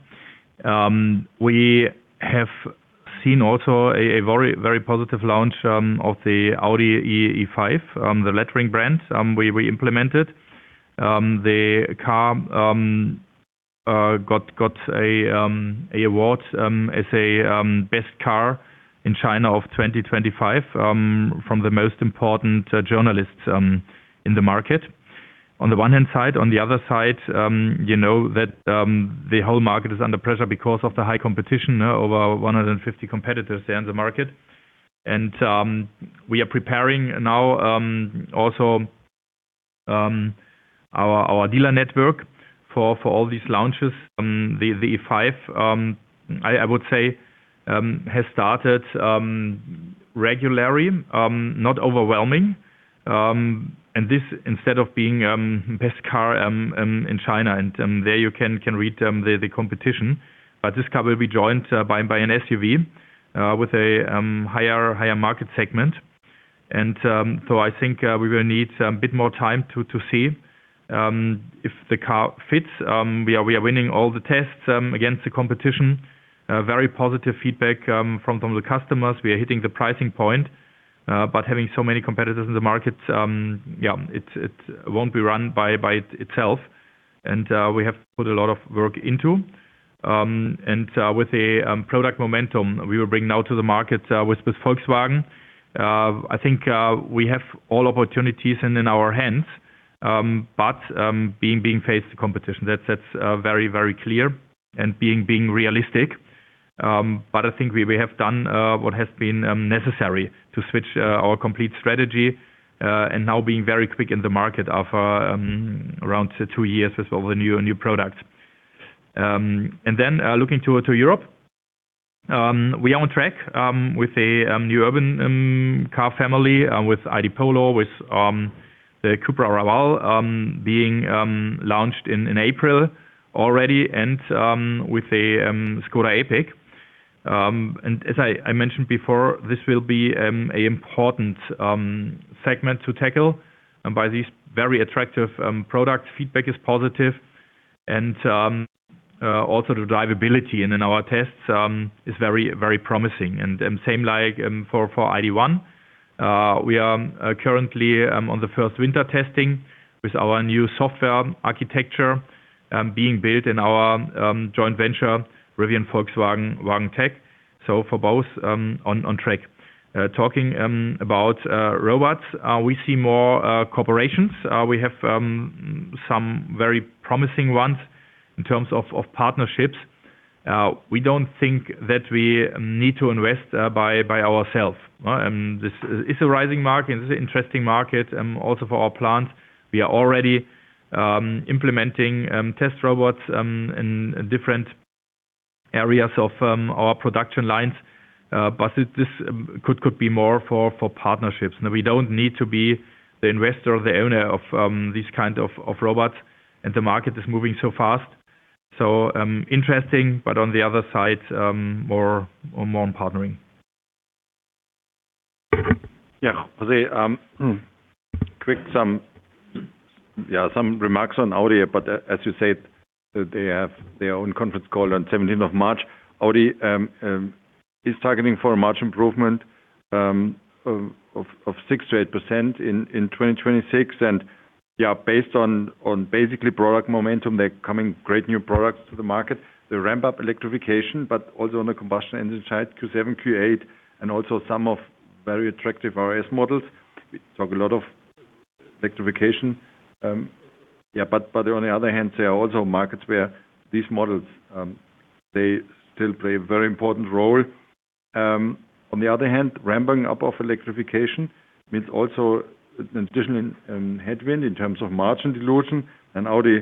[SPEAKER 3] We have seen also a very positive launch of the Audi E5, the lettering brand we implemented. The car got a award as a best car in China of 2025 from the most important journalists in the market. On the one hand side, on the other side, you know that the whole market is under pressure because of the high competition. Over 150 competitors there in the market. We are preparing now also our dealer network for all these launches. The E5, I would say, has started regularly, not overwhelming. This instead of being best car in China, there you can read the competition. This car will be joined by an SUV with a higher market segment. I think we will need a bit more time to see if the car fits. We are winning all the tests against the competition. Very positive feedback from the customers. We are hitting the pricing point, but having so many competitors in the market, yeah, it won't be won by itself. We have put a lot of work into. With the product momentum we will bring now to the market with Volkswagen, I think we have all opportunities in our hands. Being faced with competition, that's very clear and being realistic. I think we have done what has been necessary to switch our complete strategy, and now being very quick in the market for around two years as well with new products. Looking to Europe, we are on track with a new urban car family, with ID. Polo, with the Cupra Raval being launched in April already and with a Škoda Epiq. As I mentioned before, this will be an important segment to tackle by these very attractive products. Feedback is positive and also the drivability in our tests is very promising. Same like for ID.1. We are currently on the first winter testing with our new software architecture being built in our joint venture Rivian and Volkswagen Group Technologies. For both on track. Talking about robots, we see more cooperations. We have some very promising ones in terms of partnerships. We don't think that we need to invest by ourselves. This is a rising market, this is an interesting market, also for our plant. We are already implementing test robots in different areas of our production lines. This could be more for partnerships. We don't need to be the investor or the owner of these kind of robots. The market is moving so fast. Interesting, but on the other side, more on partnering.
[SPEAKER 4] José, some remarks on Audi, but as you said, they have their own conference call on the seventeenth of March. Audi is targeting for a margin improvement of 6%-8% in 2026. Based on basically product momentum, they're bringing great new products to the market. They ramp up electrification, but also on the combustion engine side, Q7, Q8, and also some very attractive RS models. We talk a lot about electrification. But on the other hand, there are also markets where these models, they still play a very important role. On the other hand, ramping up of electrification means also an additional headwind in terms of margin dilution. Audi,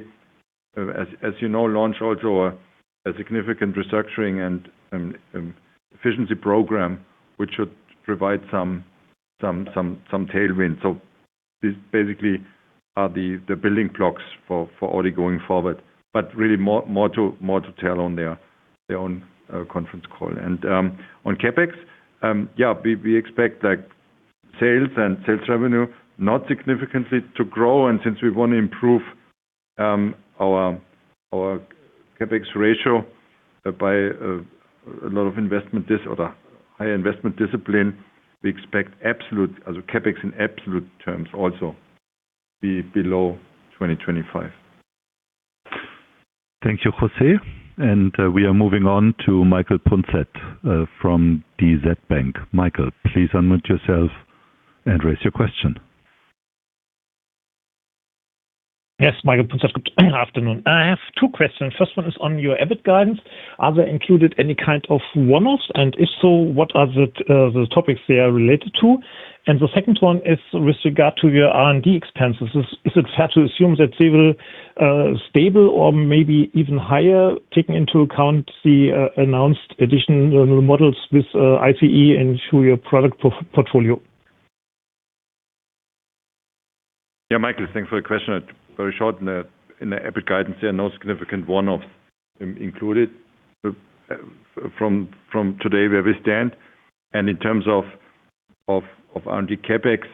[SPEAKER 4] as you know, launch also a significant restructuring and efficiency program, which should provide some tailwind. These basically are the building blocks for Audi going forward. Really more to tell on their own conference call. On CapEx, we expect like sales and sales revenue not significantly to grow. Since we want to improve our CapEx ratio by a lot of investment discipline, we expect absolute CapEx in absolute terms also be below 2025.
[SPEAKER 2] Thank you, José. We are moving on to Michael Punzet from DZ Bank. Michael, please unmute yourself and raise your question.
[SPEAKER 8] Yes, Michael Punzet. Good afternoon. I have two questions. First one is on your EBIT guidance. Are they included any kind of one-offs, and if so, what are the topics they are related to? The second one is with regard to your R&D expenses. Is it fair to assume that they will stable or maybe even higher, taking into account the announced additional new models with ICE and to your product portfolio?
[SPEAKER 4] Yeah, Michael, thanks for the question. Very short. In the EBIT guidance, there are no significant one-offs included from today where we stand. In terms of R&D CapEx,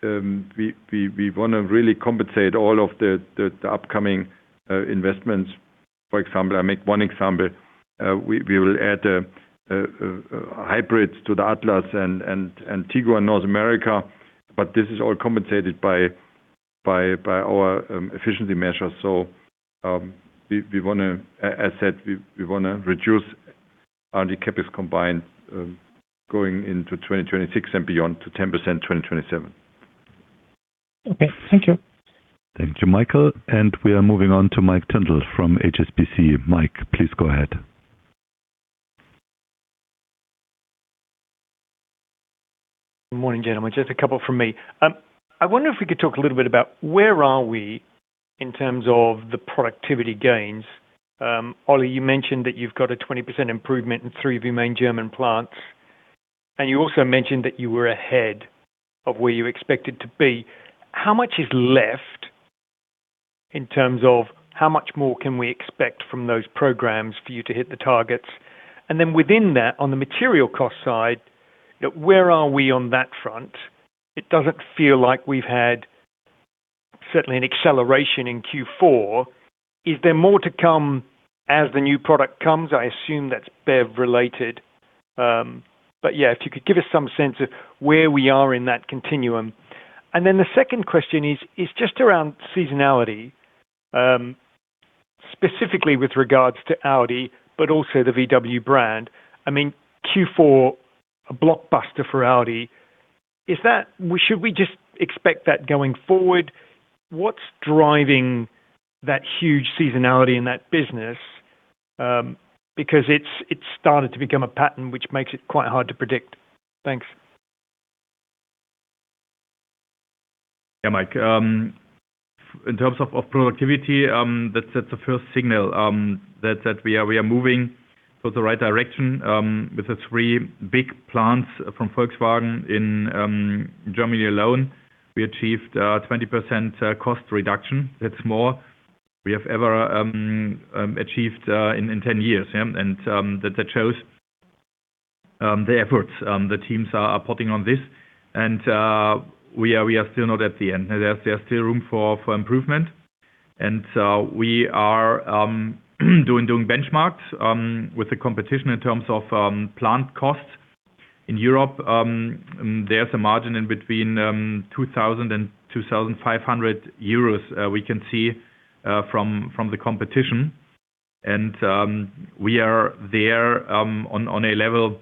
[SPEAKER 4] we want to really compensate all of the upcoming investments. For example, I make one example, we will add hybrids to the Atlas and Tiguan North America, but this is all compensated by our efficiency measures. As said, we wanna reduce R&D CapEx combined going into 2026 and beyond to 10% 2027.
[SPEAKER 8] Okay. Thank you.
[SPEAKER 2] Thank you, Michael. We are moving on to Mike Tyndall from HSBC. Mike, please go ahead.
[SPEAKER 9] Good morning, gentlemen. Just a couple from me. I wonder if we could talk a little bit about where we are in terms of the productivity gains. Oli, you mentioned that you've got a 20% improvement in three of your main German plants, and you also mentioned that you were ahead of where you expected to be. How much is left in terms of how much more can we expect from those programs for you to hit the targets? Within that, on the material cost side, where are we on that front? It doesn't feel like we've had certainly an acceleration in Q4. Is there more to come as the new product comes? I assume that's BEV related. Yeah, if you could give us some sense of where we are in that continuum. The second question is just around seasonality, specifically with regards to Audi, but also the VW brand. I mean, Q4, a blockbuster for Audi. Is that? Should we just expect that going forward? What's driving that huge seasonality in that business? Because it's started to become a pattern which makes it quite hard to predict. Thanks.
[SPEAKER 3] Yeah, Mike. In terms of productivity, that's the first signal that we are moving toward the right direction with the three big plants from Volkswagen in Germany alone. We achieved 20% cost reduction. That's more we have ever achieved in 10 years. That shows the efforts the teams are putting on this. We are still not at the end. There's still room for improvement. We are doing benchmarks with the competition in terms of plant costs. In Europe, there's a margin in between 2,000-2,500 euros we can see from the competition.
[SPEAKER 4] We are there on a level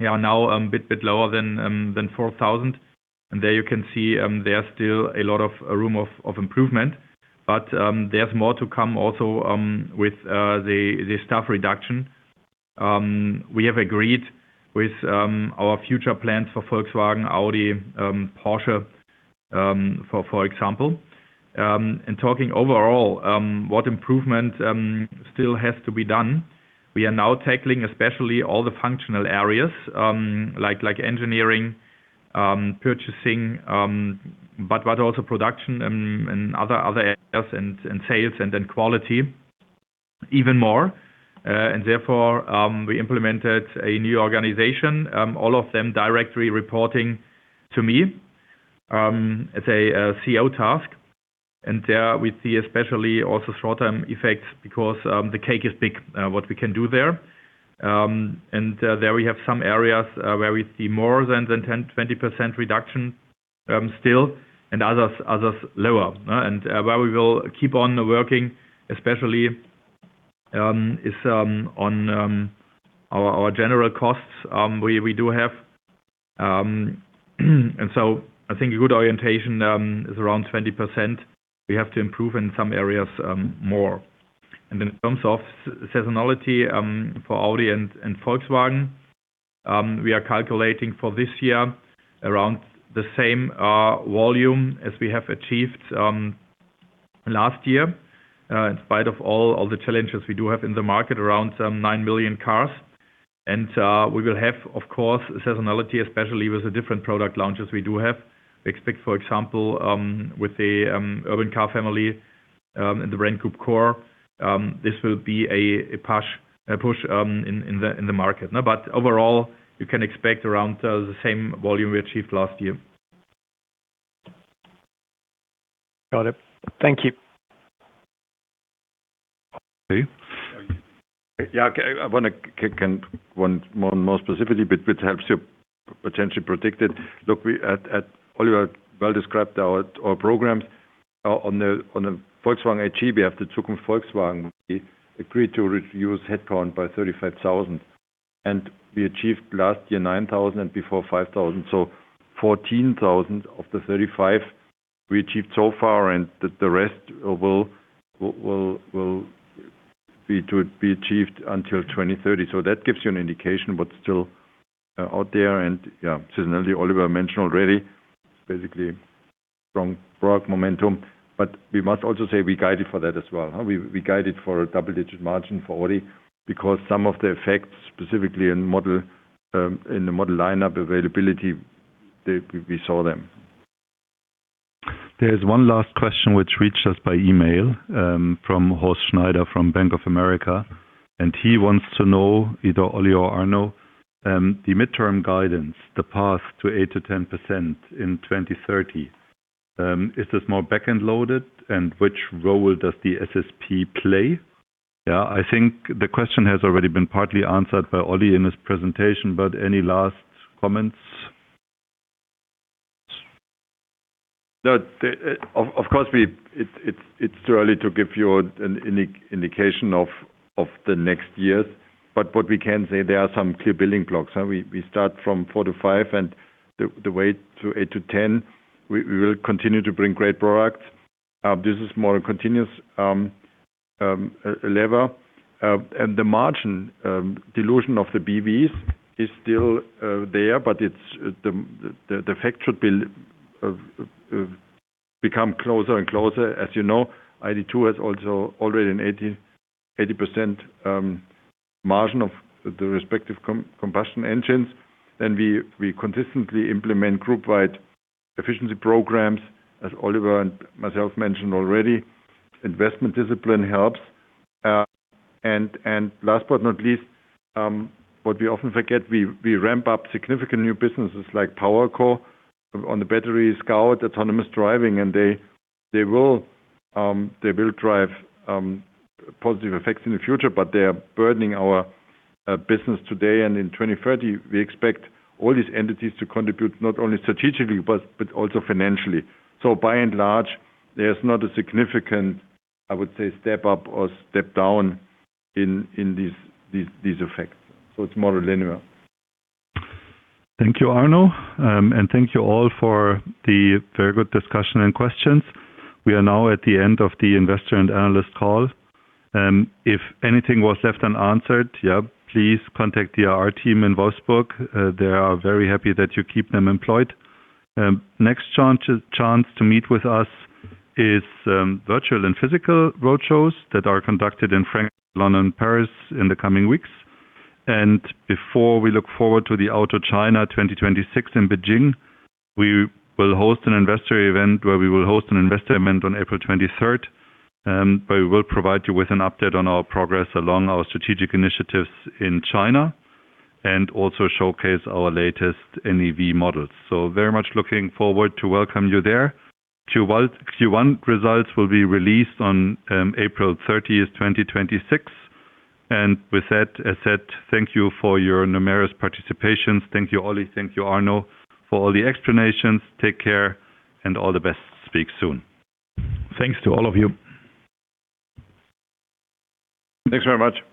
[SPEAKER 4] now a bit lower than 4,000. There you can see there are still a lot of room for improvement. There's more to come also with the staff reduction. We have agreed with our future plans for Volkswagen, Audi, Porsche, for example. Talking overall, what improvement still has to be done. We are now tackling especially all the functional areas like engineering, purchasing, but also production and other areas and sales and then quality.
[SPEAKER 3] Even more. Therefore, we implemented a new organization, all of them directly reporting to me, as a cost task. There we see especially also short-term effects because the cake is big what we can do there. There we have some areas where we see more than the 10%, 20% reduction, still, and others lower. Where we will keep on working, especially is on our general costs, we do have. I think a good orientation is around 20%. We have to improve in some areas, more. In terms of seasonality, for Audi and Volkswagen, we are calculating for this year around the same volume as we have achieved last year, in spite of all the challenges we do have in the market, around 9 million cars. We will have, of course, seasonality, especially with the different product launches we do have. We expect, for example, with the urban car family and the Brand Group Core, this will be a push in the market. But overall, you can expect around the same volume we achieved last year.
[SPEAKER 9] Got it. Thank you.
[SPEAKER 3] Okay.
[SPEAKER 4] Yeah, I wanna ask one more, more specifically, but which helps you potentially predict it. Look, as Oliver well described our programs. On the Volkswagen AG, we have the Zukunft Volkswagen. We agreed to reduce headcount by 35,000, and we achieved last year 9,000 and before 5,000. So 14,000 of the 35 we achieved so far, and the rest will be achieved until 2030. So that gives you an indication, but still out there. Yeah, seasonality Oliver mentioned already, basically strong product momentum. We must also say we guided for that as well. We guided for a double-digit margin for Audi because some of the effects, specifically in the model lineup availability, we saw them.
[SPEAKER 2] There's one last question which reached us by email, from Horst Schneider from Bank of America. He wants to know, either Oli or Arno, the midterm guidance, the path to 8%-10% in 2030, is this more back-end loaded, and which role does the SSP play?
[SPEAKER 4] Yeah, I think the question has already been partly answered by Oli in his presentation, but any last comments? No, of course we. It's too early to give you an indication of the next years. But what we can say, there are some clear building blocks. We start from 4%-5% and the way to 8%-10%, we will continue to bring great products. This is more a continuous level. And the margin dilution of the BEVs is still there, but it's the effect should build become closer and closer. As you know, ID.2 has also already an 80% margin of the respective combustion engines. Then we consistently implement group wide efficiency programs, as Oliver and myself mentioned already. Investment discipline helps. Last but not least, what we often forget, we ramp up significant new businesses like PowerCo, on the battery, Scout, autonomous driving, and they will drive positive effects in the future, but they are burdening our business today. In 2030, we expect all these entities to contribute not only strategically, but also financially. By and large, there's not a significant, I would say, step up or step down in these effects. It's more linear.
[SPEAKER 2] Thank you, Arno. Thank you all for the very good discussion and questions. We are now at the end of the investor and analyst call. If anything was left unanswered, please contact the IR team in Wolfsburg. They are very happy that you keep them employed. Next chance to meet with us is virtual and physical roadshows that are conducted in London, Paris in the coming weeks. Before we look forward to the Auto China 2026 in Beijing, we will host an investor event on April 23rd, where we will provide you with an update on our progress along our strategic initiatives in China and also showcase our latest NEV models. Very much looking forward to welcome you there. Q1 results will be released on April 30th, 2026. With that said, thank you for your numerous participations. Thank you, Oli. Thank you, Arno, for all the explanations. Take care and all the best. Speak soon.
[SPEAKER 4] Thanks to all of you.
[SPEAKER 3] Thanks very much.